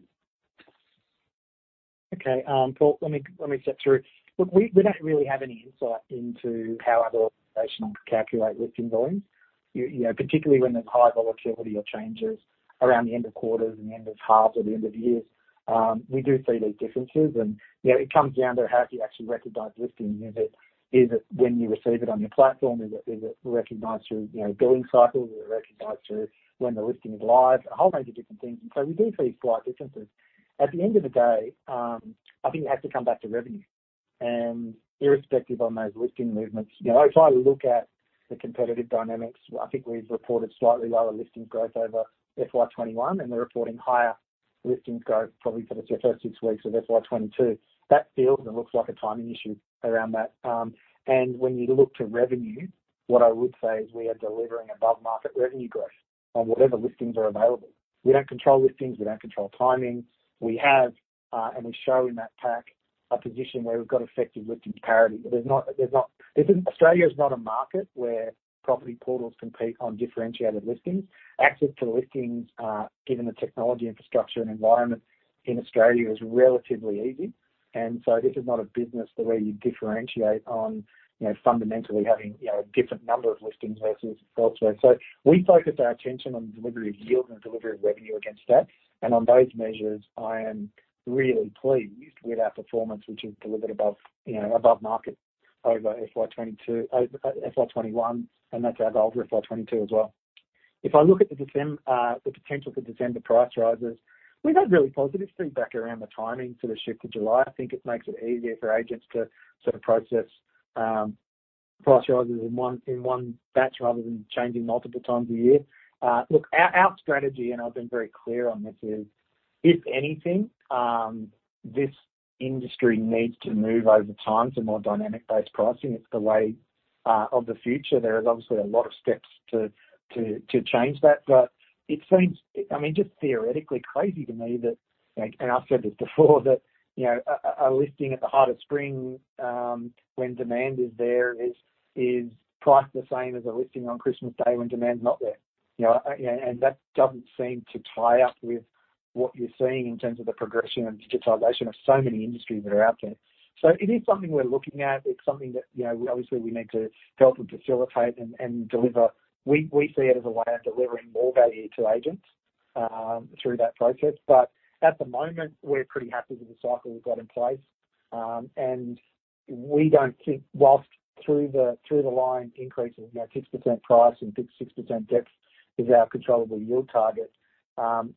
Okay. Paul, let me step through. Look, we don't really have any insight into how other organizations calculate listing volumes. Particularly when there's high volatility or changes around the end of quarters and the end of halves or the end of years. We do see these differences and it comes down to how do you actually recognize listings. Is it when you receive it on your platform? Is it recognized through billing cycles? Is it recognized through when the listing is live? A whole range of different things. We do see slight differences. At the end of the day, I think it has to come back to revenue and irrespective on those listing movements. If I look at the competitive dynamics, I think we've reported slightly lower listings growth over FY 2021 and we're reporting higher listings growth probably for the first six weeks of FY 2022. That feels and looks like a timing issue around that. When you look to revenue, what I would say is we are delivering above-market revenue growth on whatever listings are available. We don't control listings, we don't control timing. We have, and we show in that pack, a position where we've got effective listings parity. Australia is not a market where property portals compete on differentiated listings. Access to listings, given the technology infrastructure and environment in Australia, is relatively easy. This is not a business where you differentiate on fundamentally having a different number of listings versus elsewhere. We focus our attention on delivery of yield and delivery of revenue against that. On those measures, I am really pleased with our performance, which is delivered above market over FY 2021, and that's our goal for FY 2022 as well. If I look at the potential for December price rises, we've had really positive feedback around the timing, sort of shift to July. I think it makes it easier for agents to process price rises in one batch rather than changing multiple times a year. Look, our strategy, and I've been very clear on this, is, if anything, this industry needs to move over time to more dynamic-based pricing. It's the way of the future. There is obviously a lot of steps to change that. It seems just theoretically crazy to me that, and I've said this before, that a listing at the heart of spring, when demand is there, is priced the same as a listing on Christmas Day when demand is not there. That doesn't seem to tie up with what you're seeing in terms of the progression and digitization of so many industries that are out there. It is something we're looking at. It's something that obviously we need to help and facilitate and deliver. We see it as a way of delivering more value to agents through that process. At the moment, we're pretty happy with the cycle we've got in place. We don't think whilst through the line increases 6% price and 6% depth is our controllable yield target.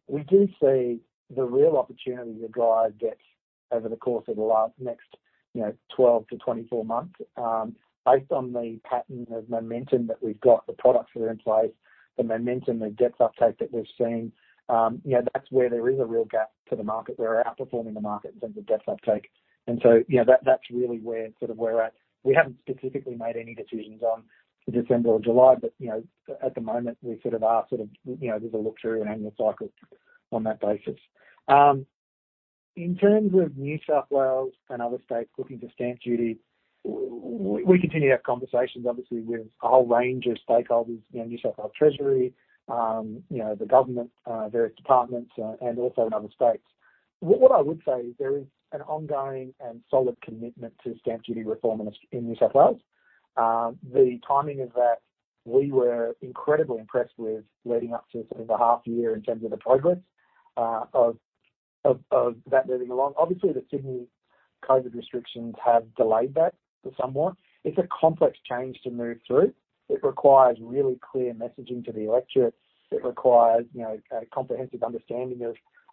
We do see the real opportunity to drive depth over the course of the next 12-24 months. Based on the pattern of momentum that we've got, the products that are in place, the momentum, the depth uptake that we've seen, that's where there is a real gap to the market. We're outperforming the market in terms of depth uptake. That's really where we're at. We haven't specifically made any decisions on December or July, but at the moment we sort of there's a look through an annual cycle on that basis. In terms of New South Wales and other states looking for stamp duty, we continue to have conversations, obviously, with a whole range of stakeholders, NSW Treasury, the government, various departments, and also in other states. What I would say is there is an ongoing and solid commitment to stamp duty reform in New South Wales. The timing of that, we were incredibly impressed with leading up to the half-year in terms of the progress of that moving along. Obviously, the Sydney COVID restrictions have delayed that somewhat. It's a complex change to move through. It requires really clear messaging to the electorate. It requires a comprehensive understanding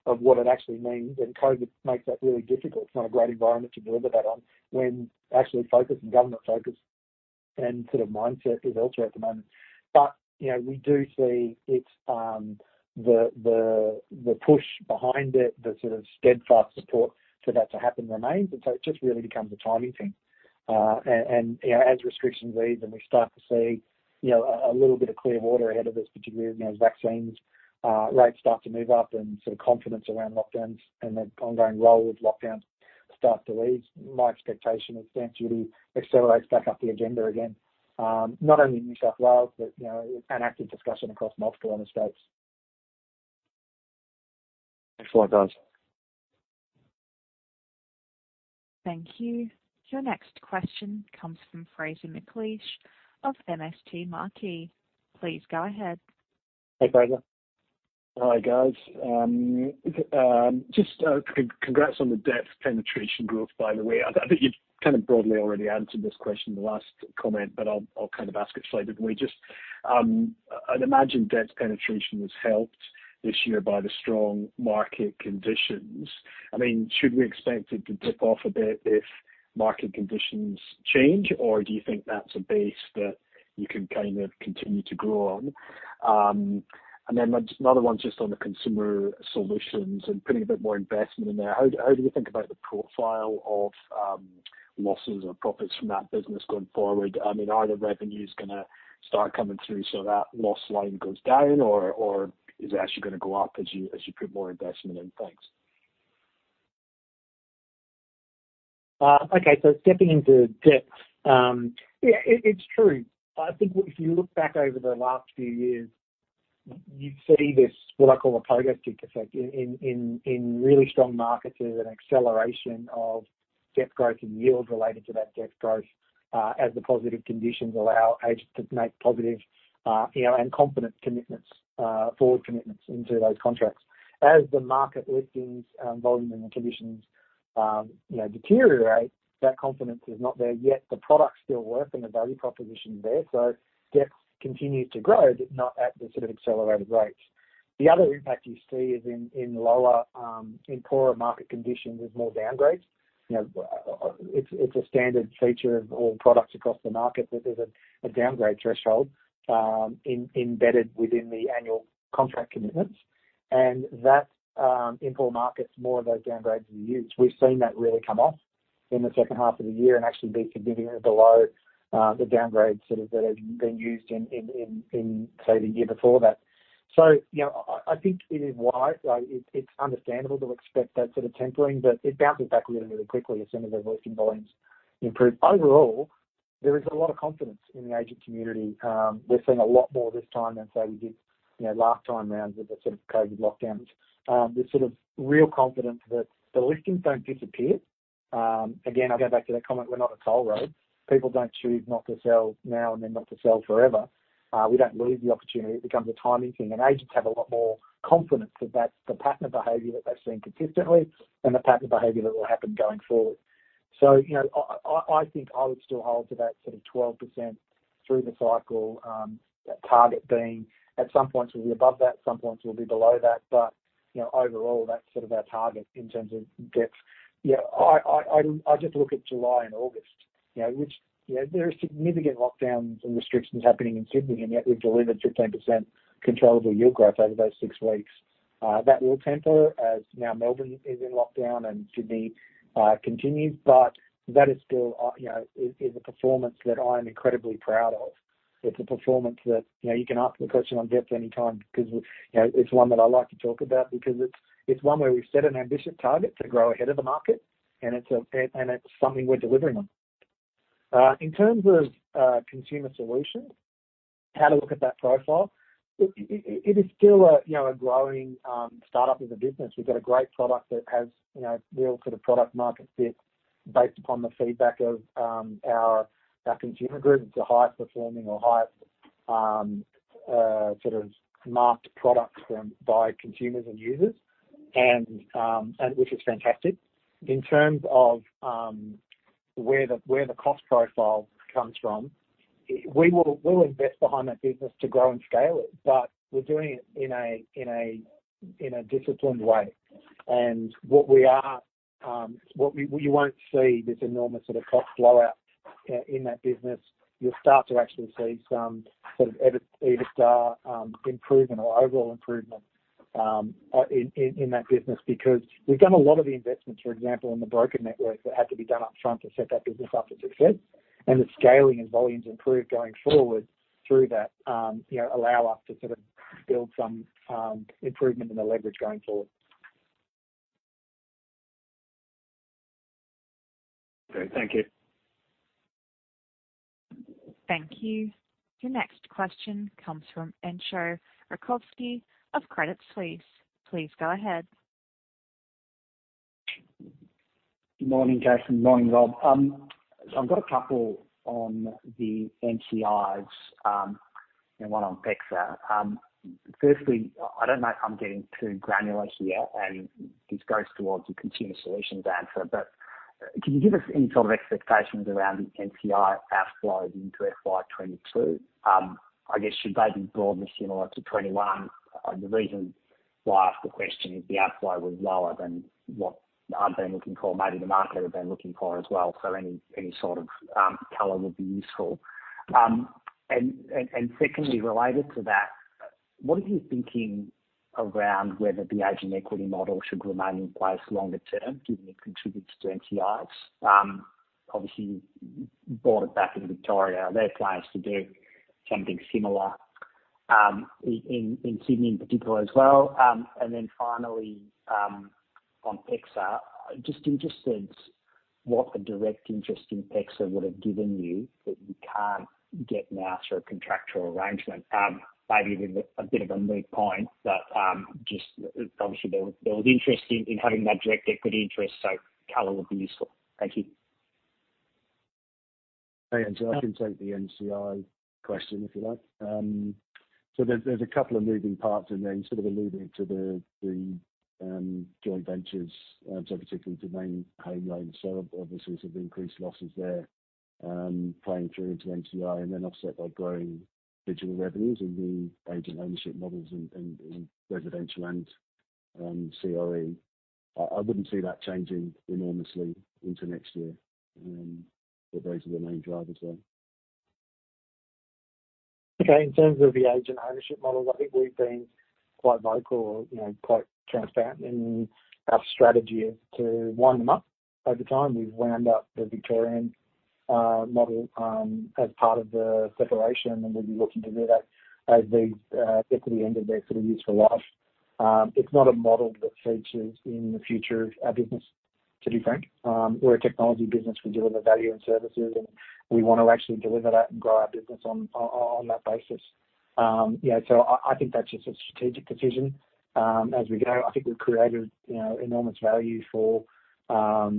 of what it actually means. COVID makes that really difficult. It's not a great environment to deliver that on when actually focus and government focus and mindset is elsewhere at the moment. We do see the push behind it, the steadfast support for that to happen remains. It just really becomes a timing thing. As restrictions ease and we start to see a little bit of clear water ahead of us, particularly as vaccines rates start to move up and confidence around lockdowns and the ongoing role of lockdowns start to ease, my expectation is stamp duty accelerates back up the agenda again. Not only in New South Wales, an active discussion across multiple other states. Thanks a lot, guys. Thank you. Your next question comes from Fraser McLeish of MST Marquee. Please go ahead. Hey, Fraser. Hi, guys. Just congrats on the depth penetration growth, by the way. I think you've kind of broadly already answered this question in the last comment. I'll kind of ask it slightly. I'd imagine depth penetration was helped this year by the strong market conditions. Should we expect it to dip off a bit if market conditions change, or do you think that's a base that you can kind of continue to grow on? Another one just on the consumer solutions and putting a bit more investment in there. How do we think about the profile of losses or profits from that business going forward? Are the revenues gonna start coming through so that loss line goes down, or is it actually gonna go up as you put more investment in? Thanks. Okay. Stepping into depth. Yeah, it's true. I think if you look back over the last few years, you see this, what I call a progress tick effect, in really strong markets, there's an acceleration of depth growth and yield related to that depth growth, as the positive conditions allow agents to make positive and confident commitments, forward commitments into those contracts. As the market listings, volume and the conditions deteriorate, that confidence is not there yet. The product's still working, the value proposition is there. Depth continues to grow, but not at the sort of accelerated rates. The other impact you see is in poorer market conditions, there's more downgrades. It's a standard feature of all products across the market that there's a downgrade threshold embedded within the annual contract commitments. That, in poor markets, more of those downgrades are used. We've seen that really come off in the second half of the year and actually be significantly below the downgrades that have been used in, say, the year before that. I think it is wise. It's understandable to expect that sort of tempering, but it bounces back really, really quickly as soon as those listing volumes improve. Overall, there is a lot of confidence in the agent community. We're seeing a lot more this time than, say, we did last time around with the COVID lockdowns. There's real confidence that the listings don't disappear. Again, I go back to that comment, we're not a toll road. People don't choose not to sell now and then not to sell forever. We don't lose the opportunity. It becomes a timing thing, and agents have a lot more confidence that that's the pattern of behavior that they've seen consistently and the pattern of behavior that will happen going forward. I think I would still hold to that 12% through the cycle, that target being at some points will be above that, some points will be below that, but overall, that's sort of our target in terms of depth. I just look at July and August. There are significant lockdowns and restrictions happening in Sydney, and yet we've delivered 15% controllable yield growth over those six weeks. That will temper as now Melbourne is in lockdown and Sydney continues, but that is still a performance that I'm incredibly proud of. It's a performance that you can ask me a question on depth anytime because it's one that I like to talk about because it's one where we've set an ambitious target to grow ahead of the market, and it's something we're delivering on. In terms of consumer solutions, it is still a growing startup as a business. We've got a great product that has real product market fit based upon the feedback of our consumer group. It's a high-performing or high marked product by consumers and users, which is fantastic. In terms of where the cost profile comes from, we'll invest behind that business to grow and scale it, but we're doing it in a disciplined way. You won't see this enormous cost blowout in that business. You'll start to actually see some sort of EBITDA improvement or overall improvement in that business because we've done a lot of the investments, for example, in the broker network that had to be done up front to set that business up for success. The scaling and volumes improve going forward through that, allow us to build some improvement in the leverage going forward. Okay. Thank you. Thank you. Your next question comes from Entcho Raykovski of Credit Suisse. Please go ahead. Good morning, Jason. Morning, Rob. I've got a couple on the NCIs and one on PEXA. Firstly, I don't know if I'm getting too granular here, and this goes towards the consumer solutions answer, but can you give us any sort of expectations around the NCI outflows into FY 2022? I guess, should they be broadly similar to 2021? The reason why I ask the question is the outflow was lower than what I've been looking for, maybe the market had been looking for as well. Any sort of color would be useful. Secondly, related to that, what is your thinking around whether the agent equity model should remain in place longer term, given it contributes to NCIs? Obviously, you brought it back in Victoria. Are there plans to do something similar in Sydney in particular as well? Finally, on PEXA, just interested what the direct interest in PEXA would have given you that you can't get now through a contractual arrangement. Maybe a bit of a moot point, but obviously there was interest in having that direct equity interest, so color would be useful. Thank you. Hey, Entcho. I can take the NCI question if you like. There's a couple of moving parts in there. You sort of alluded to the joint ventures, particularly Domain Home Loans. Obviously, some increased losses there playing through into NCI and then offset by growing digital revenues in the agent ownership models in residential and CRE. I wouldn't see that changing enormously into next year. Those are the main drivers there. Okay. In terms of the agent ownership model, I think we've been quite vocal or quite transparent in our strategy as to wind them up over time. We've wound up the Victorian model as part of the separation, we'll be looking to do that as these equity end of their sort of useful life. It's not a model that features in the future of our business, to be frank. We're a technology business. We deliver value and services, and we want to actually deliver that and grow our business on that basis. I think that's just a strategic decision. As we go, I think we've created enormous value for our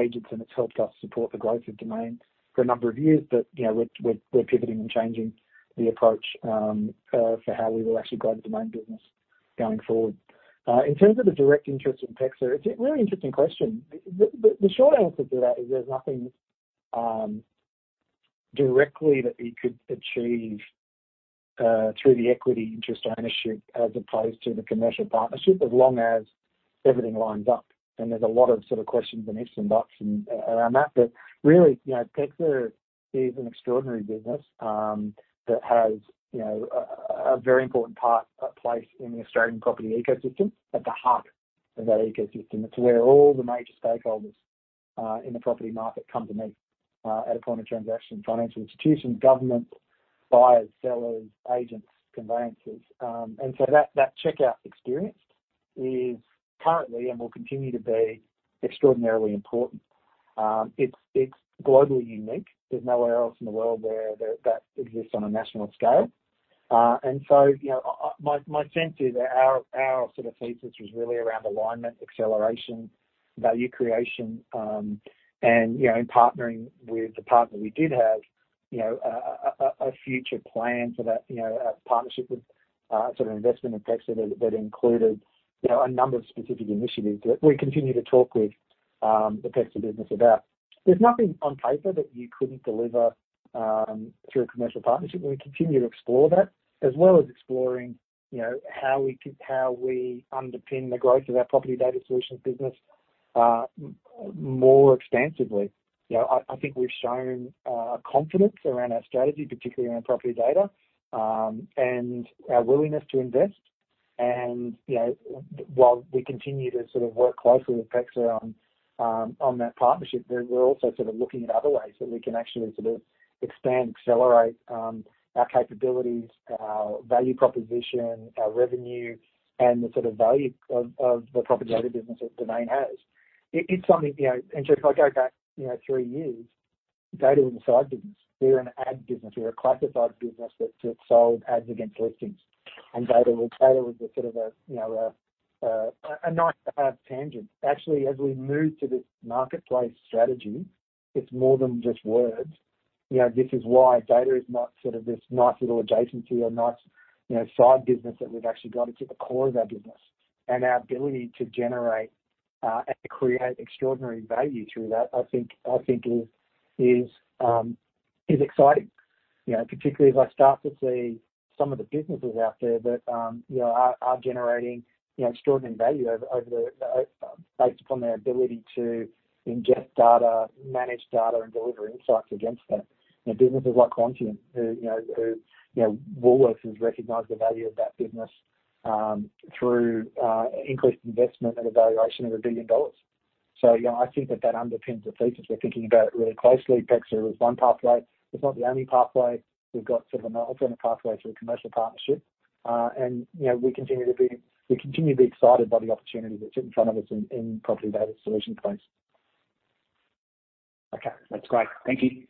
agents, and it's helped us support the growth of Domain for a number of years. We're pivoting and changing the approach for how we will actually grow the Domain business going forward. In terms of the direct interest in PEXA, it's a really interesting question. The short answer to that is there's nothing directly that we could achieve through the equity interest ownership as opposed to the commercial partnership, as long as everything lines up. There's a lot of questions and ifs and buts around that. Really, PEXA is an extraordinary business that has a very important place in the Australian property ecosystem, at the heart of that ecosystem. It's where all the major stakeholders in the property market come to meet at a point of transaction. Financial institutions, government, buyers, sellers, agents, conveyancers. That checkout experience is currently and will continue to be extraordinarily important. It's globally unique. There's nowhere else in the world where that exists on a national scale. My sense is that our sort of thesis was really around alignment, acceleration, value creation, and in partnering with the partner we did have, a future plan for that partnership with sort of investment in PEXA that included a number of specific initiatives that we continue to talk with the PEXA business about. There's nothing on paper that you couldn't deliver through a commercial partnership, and we continue to explore that, as well as exploring how we underpin the growth of our property data solutions business more extensively. I think we've shown confidence around our strategy, particularly around property data, and our willingness to invest. While we continue to work closely with PEXA on that partnership, we're also looking at other ways that we can actually expand, accelerate our capabilities, our value proposition, our revenue, and the sort of value of the property data business that Domain has. If I go back three years, data was a side business. We were an ad business. We were a classified business that sold ads against listings. Data was a sort of a nice ad tangent. Actually, as we move to this marketplace strategy, it's more than just words. This is why data is not sort of this nice little adjacency or nice side business that we've actually got. It's at the core of our business. Our ability to generate and create extraordinary value through that, I think is exciting, particularly as I start to see some of the businesses out there that are generating extraordinary value based upon their ability to ingest data, manage data, and deliver insights against that. Businesses like Quantium, who Woolworths has recognized the value of that business through increased investment and a valuation of 1 billion dollars. I think that that underpins the thesis. We're thinking about it really closely. PEXA is one pathway. It's not the only pathway. We've got sort of an alternate pathway through a commercial partnership. We continue to be excited by the opportunity that's in front of us in property data solutions plays. Okay. That's great. Thank you.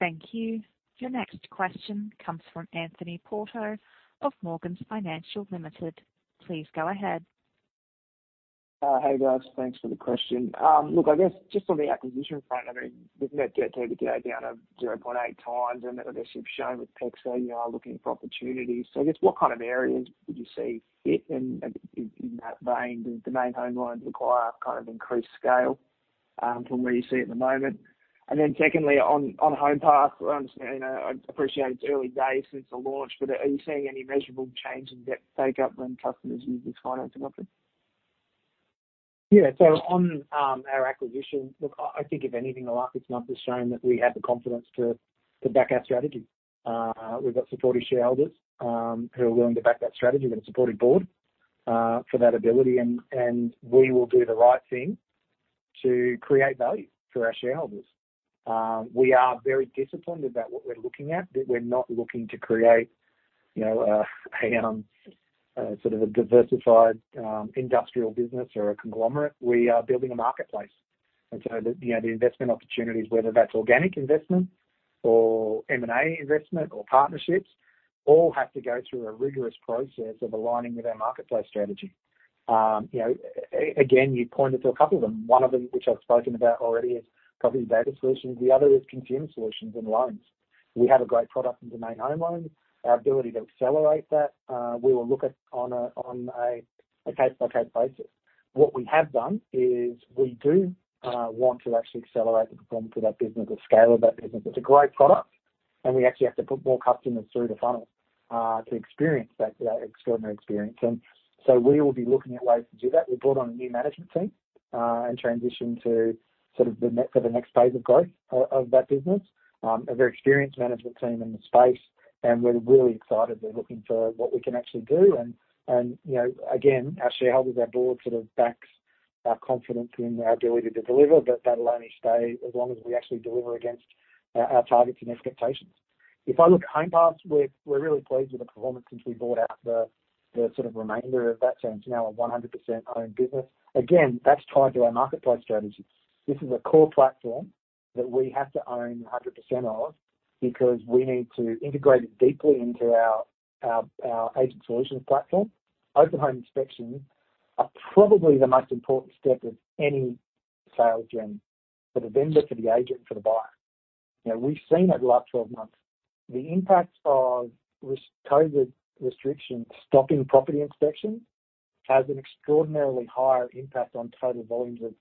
Thank you. Your next question comes from Anthony Porto of Morgans Financial Limited. Please go ahead. Hey, guys. Thanks for the question. I guess just on the acquisition front, I mean, we've net debt today down to 0.8x. I guess you've shown with PEXA, you are looking for opportunities. I guess what kind of areas would you see fit in that vein, does Domain Home Loans require kind of increased scale from where you see at the moment? Secondly, on Homepass, I understand, I appreciate it's early days since the launch, but are you seeing any measurable change in debt take up when customers use this financing option? Yeah. On our acquisition, look, I think if anything, the last six months has shown that we have the confidence to back our strategy. We've got supportive shareholders who are willing to back that strategy. We've got a supportive board for that ability, and we will do the right thing to create value for our shareholders. We are very disciplined about what we're looking at, that we're not looking to create a sort of a diversified industrial business or a conglomerate. We are building a marketplace. The investment opportunities, whether that's organic investment or M&A investment or partnerships, all have to go through a rigorous process of aligning with our marketplace strategy. Again, you pointed to a couple of them. One of them, which I've spoken about already, is property data solutions. The other is consumer solutions and loans. We have a great product in Domain Home Loans. Our ability to accelerate that, we will look at on a case-by-case basis. What we have done is we do want to actually accelerate the performance of that business or scale of that business. It's a great product. We actually have to put more customers through the funnel to experience that extraordinary experience. We will be looking at ways to do that. We brought on a new management team, and transition to the next phase of growth of that business, a very experienced management team in the space, and we're really excited and looking to what we can actually do. Again, our shareholders, our board sort of backs our confidence in our ability to deliver, but that'll only stay as long as we actually deliver against our targets and expectations. If I look at Homepass, we're really pleased with the performance since we bought out the sort of remainder of that. It's now a 100% owned business. Again, that's tied to our marketplace strategy. This is a core platform that we have to own 100% of because we need to integrate it deeply into our agent solutions platform. Open home inspections are probably the most important step of any sales journey for the vendor, for the agent, for the buyer. We've seen over the last 12 months, the impacts of COVID restrictions stopping property inspections has an extraordinarily higher impact on total volumes of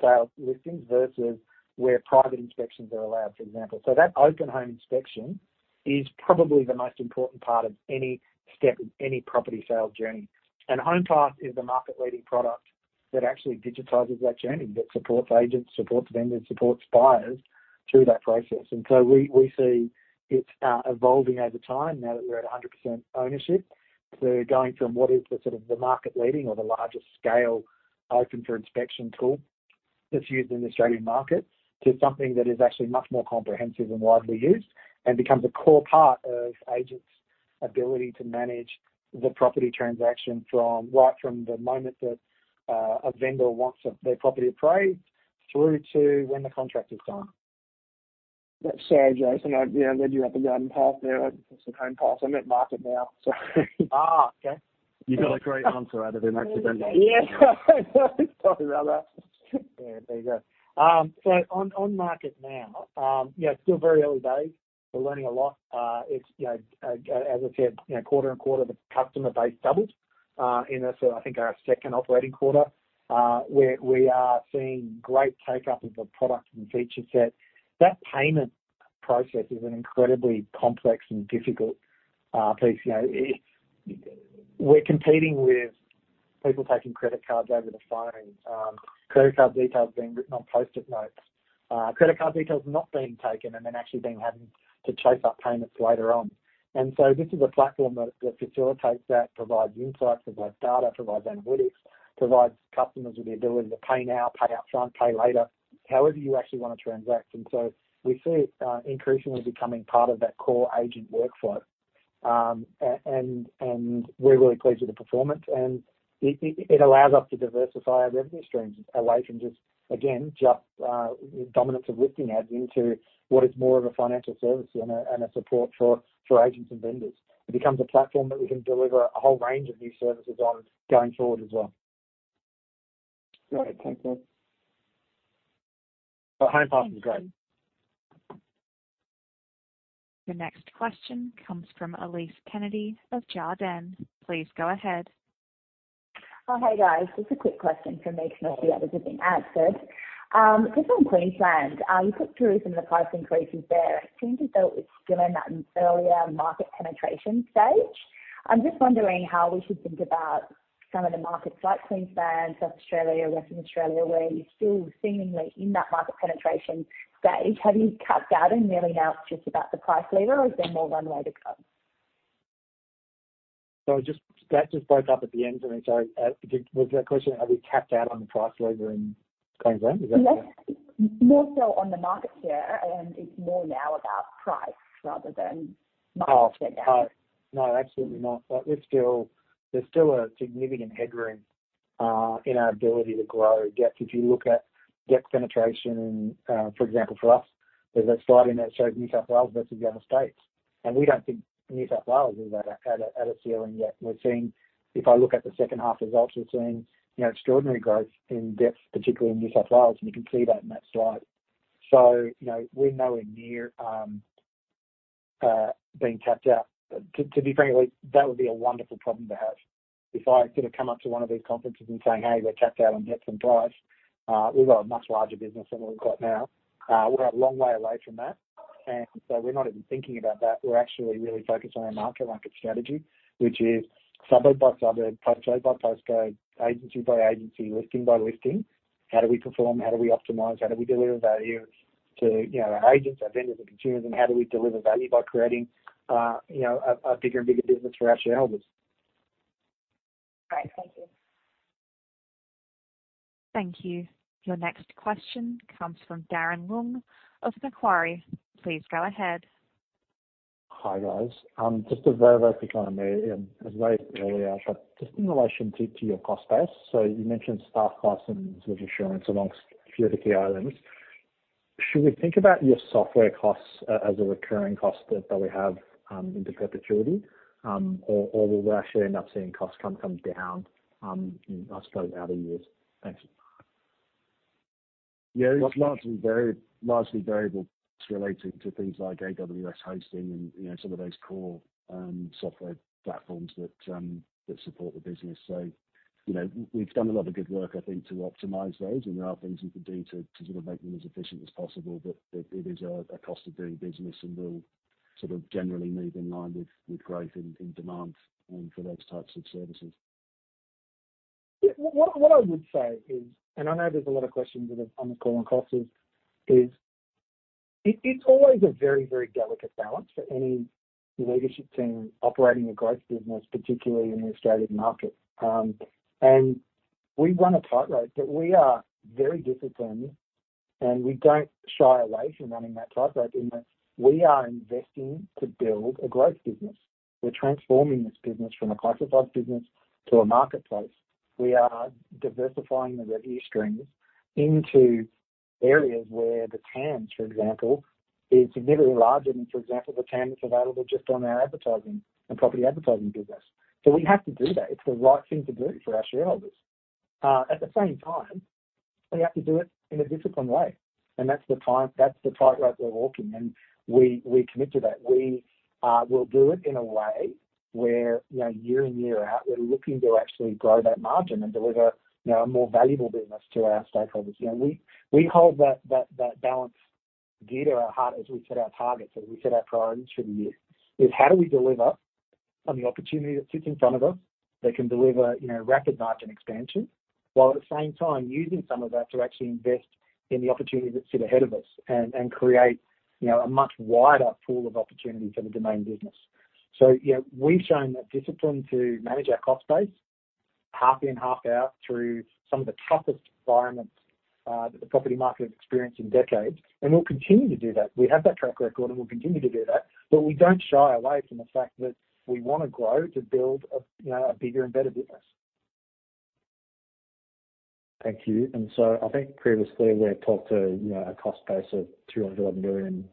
sales listings versus where private inspections are allowed, for example. That open home inspection is probably the most important part of any step of any property sales journey. Homepass is the market-leading product that actually digitizes that journey, that supports agents, supports vendors, supports buyers through that process. We see it's evolving over time now that we're at 100% ownership. Going from what is the market leading or the largest scale open for inspection tool that's used in the Australian market, to something that is actually much more comprehensive and widely used, and becomes a core part of agents' ability to manage the property transaction right from the moment that a vendor wants their property appraised through to when the contract is signed. Sorry, Jason, I led you up the garden path there with some Homepass. I meant MarketNow. Okay. You got a great answer out of him accidentally. Yeah. Sorry about that. Yeah, there you go. On MarketNow, still very early days. We're learning a lot. As I said, quarter-on-quarter, the customer base doubled in the second operating quarter, where we are seeing great take-up of the product and feature set. That payment process is an incredibly complex and difficult piece. We're competing with people taking credit cards over the phone, credit card details being written on Post-it Notes, credit card details not being taken, and then actually then having to chase up payments later on. This is a platform that facilitates that, provides insights, provides data, provides analytics, provides customers with the ability to pay now, pay up front, pay later, however you actually want to transact. We see it increasingly becoming part of that core agent workflow. We're really pleased with the performance. It allows us to diversify our revenue streams away from just, again, just dominance of listing ads into what is more of a financial service and a support for agents and vendors. It becomes a platform that we can deliver a whole range of new services on going forward as well. Great. Thank you. Homepass is great. The next question comes from Elise Kennedy of Jarden. Please go ahead. Oh, hey, guys. Just a quick question from me because most of the others have been answered. On Queensland, you spoke to some of the price increases there. It seems as though it's still in that earlier market penetration stage. I'm just wondering how we should think about some of the markets like Queensland, South Australia, Western Australia, where you're still seemingly in that market penetration stage. Have you capped out and really now it's just about the price lever, or is there more runway to come? That just broke up at the end for me. Sorry. Was that question, have we capped out on the price lever in Queensland? More so on the market share. It's more now about price rather than market penetration. No, absolutely not. There's still a significant headroom in our ability to grow. If you look at depth penetration, for example, for us, there's a slide in there that shows New South Wales versus the other states. We don't think New South Wales is at a ceiling yet. If I look at the second half results, we're seeing extraordinary growth in depth, particularly in New South Wales, and you can see that in that slide. We're nowhere near being capped out. To be frank, Elise, that would be a wonderful problem to have if I could come up to one of these conferences and say, "Hey, we're capped out on depth and price." We've got a much larger business than what we've got now. We're a long way away from that, and so we're not even thinking about that. We're actually really focused on our market strategy, which is suburb by suburb, postcode by postcode, agency by agency, listing by listing. How do we perform, how do we optimize, how do we deliver value to our agents, our vendors and consumers, and how do we deliver value by creating a bigger and bigger business for our shareholders? Great. Thank you. Thank you. Your next question comes from Darren Leung of Macquarie. Please go ahead. Hi, guys. Just a very, very quick one from me. It was raised earlier, but just in relation to your cost base. You mentioned staff costs and insurance amongst a few of the key items. Should we think about your software costs as a recurring cost that we have into perpetuity? Will we actually end up seeing costs come down in, I suppose, outer years? Thanks. Yeah. Largely variable costs related to things like AWS hosting and some of those core software platforms that support the business. We've done a lot of good work, I think, to optimize those, and there are things we could do to make them as efficient as possible. It is a cost of doing business and will generally move in line with growth in demand for those types of services. What I would say is, I know there's a lot of questions on the call on costs, it's always a very, very delicate balance for any leadership team operating a growth business, particularly in the Australian market. We run a tight rope, but we are very disciplined, and we don't shy away from running that tight rope in that we are investing to build a growth business. We're transforming this business from a classifieds business to a marketplace. We are diversifying the revenue streams into areas where the TAMs, for example, is significantly larger than, for example, the TAM that's available just on our advertising and property advertising business. We have to do that. It's the right thing to do for our shareholders. At the same time, we have to do it in a disciplined way, and that's the tightrope we're walking, and we commit to that. We will do it in a way where year in, year out, we're looking to actually grow that margin and deliver a more valuable business to our stakeholders. We hold that balance dear to our heart as we set our targets, as we set our priorities for the year, is how do we deliver on the opportunity that sits in front of us, that can deliver rapid margin expansion, while at the same time using some of that to actually invest in the opportunities that sit ahead of us and create a much wider pool of opportunity for the Domain business. We've shown that discipline to manage our cost base half in, half out, through some of the toughest environments that the property market has experienced in decades. We'll continue to do that. We have that track record, and we'll continue to do that. We don't shy away from the fact that we want to grow to build a bigger and better business. Thank you. I think previously we had talked to a cost base of 211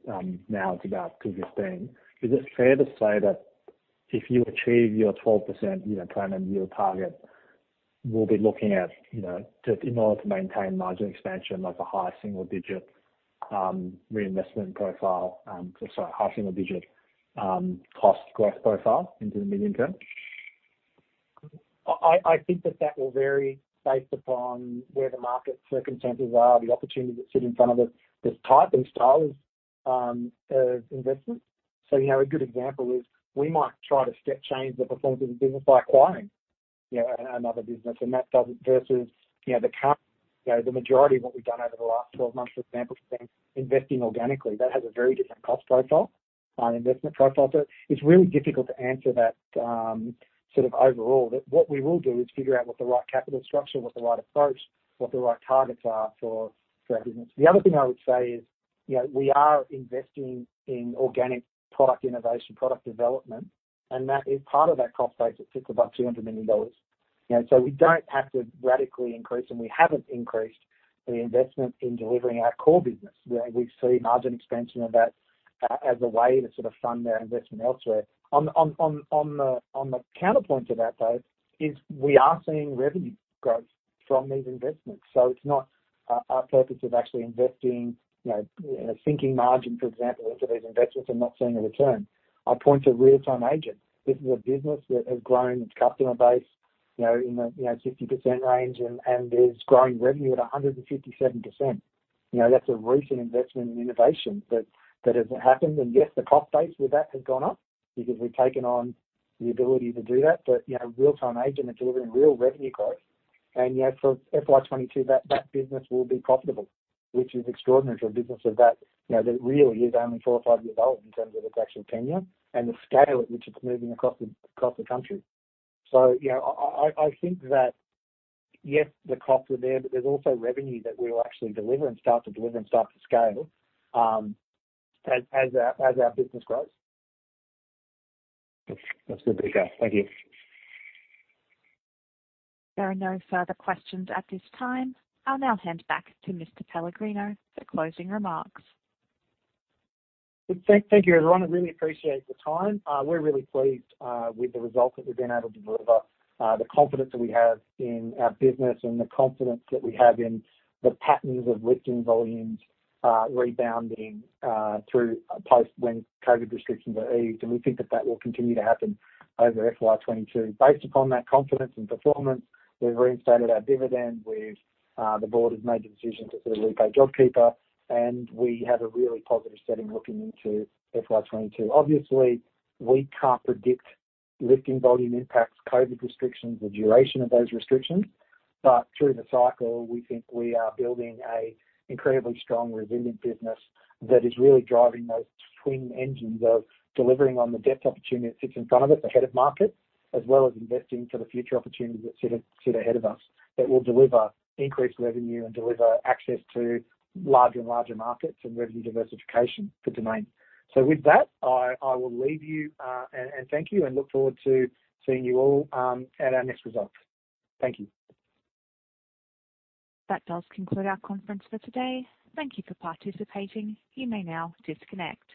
million, now it's about 215 million. Is it fair to say that if you achieve your 12% plan and year target, we'll be looking at, just in order to maintain margin expansion, like a high single-digit reinvestment profile, sorry, high single-digit cost growth profile into the medium-term? I think that will vary based upon where the market circumstances are, the opportunities that sit in front of us, the type and style of investment. A good example is, we might try to step change the performance of the business by acquiring another business. The majority of what we've done over the last 12 months, for example, has been investing organically. That has a very different cost profile, investment profile. It's really difficult to answer that, sort of overall. What we will do is figure out what the right capital structure, what the right approach, what the right targets are for our business. The other thing I would say is, we are investing in organic product innovation, product development, and that is part of that cost base that sits above 200 million dollars. We don't have to radically increase, and we haven't increased the investment in delivering our core business, where we see margin expansion of that as a way to sort of fund our investment elsewhere. On the counterpoint to that, though, is we are seeing revenue growth from these investments. It's not our purpose of actually investing, sinking margin, for example, into these investments and not seeing a return. I point to Real Time Agent. This is a business that has grown its customer base in the 60% range and is growing revenue at 157%. That's a recent investment in innovation that has happened. Yes, the cost base with that has gone up because we've taken on the ability to do that. Real Time Agent are delivering real revenue growth. For FY 2022, that business will be profitable, which is extraordinary for a business of that really is only four or five years old in terms of its actual tenure and the scale at which it's moving across the country. I think that, yes, the costs were there, but there's also revenue that we'll actually deliver and start to deliver and start to scale as our business grows. That's good to hear. Thank you. There are no further questions at this time. I'll now hand back to Mr. Pellegrino for closing remarks. Thank you, everyone. I really appreciate the time. We're really pleased with the results that we've been able to deliver, the confidence that we have in our business and the confidence that we have in the patterns of listing volumes rebounding through post when COVID restrictions are eased. We think that that will continue to happen over FY 2022. Based upon that confidence and performance, we've reinstated our dividend. The board has made the decision to repay JobKeeper, we have a really positive setting looking into FY 2022. Obviously, we can't predict listing volume impacts, COVID restrictions, the duration of those restrictions, but through the cycle, we think we are building a incredibly strong, resilient business that is really driving those twin engines of delivering on the depth opportunity that sits in front of us ahead of market, as well as investing for the future opportunities that sit ahead of us, that will deliver increased revenue and deliver access to larger and larger markets and revenue diversification for Domain. With that, I will leave you, and thank you, and look forward to seeing you all at our next results. Thank you. That does conclude our conference for today. Thank you for participating. You may now disconnect.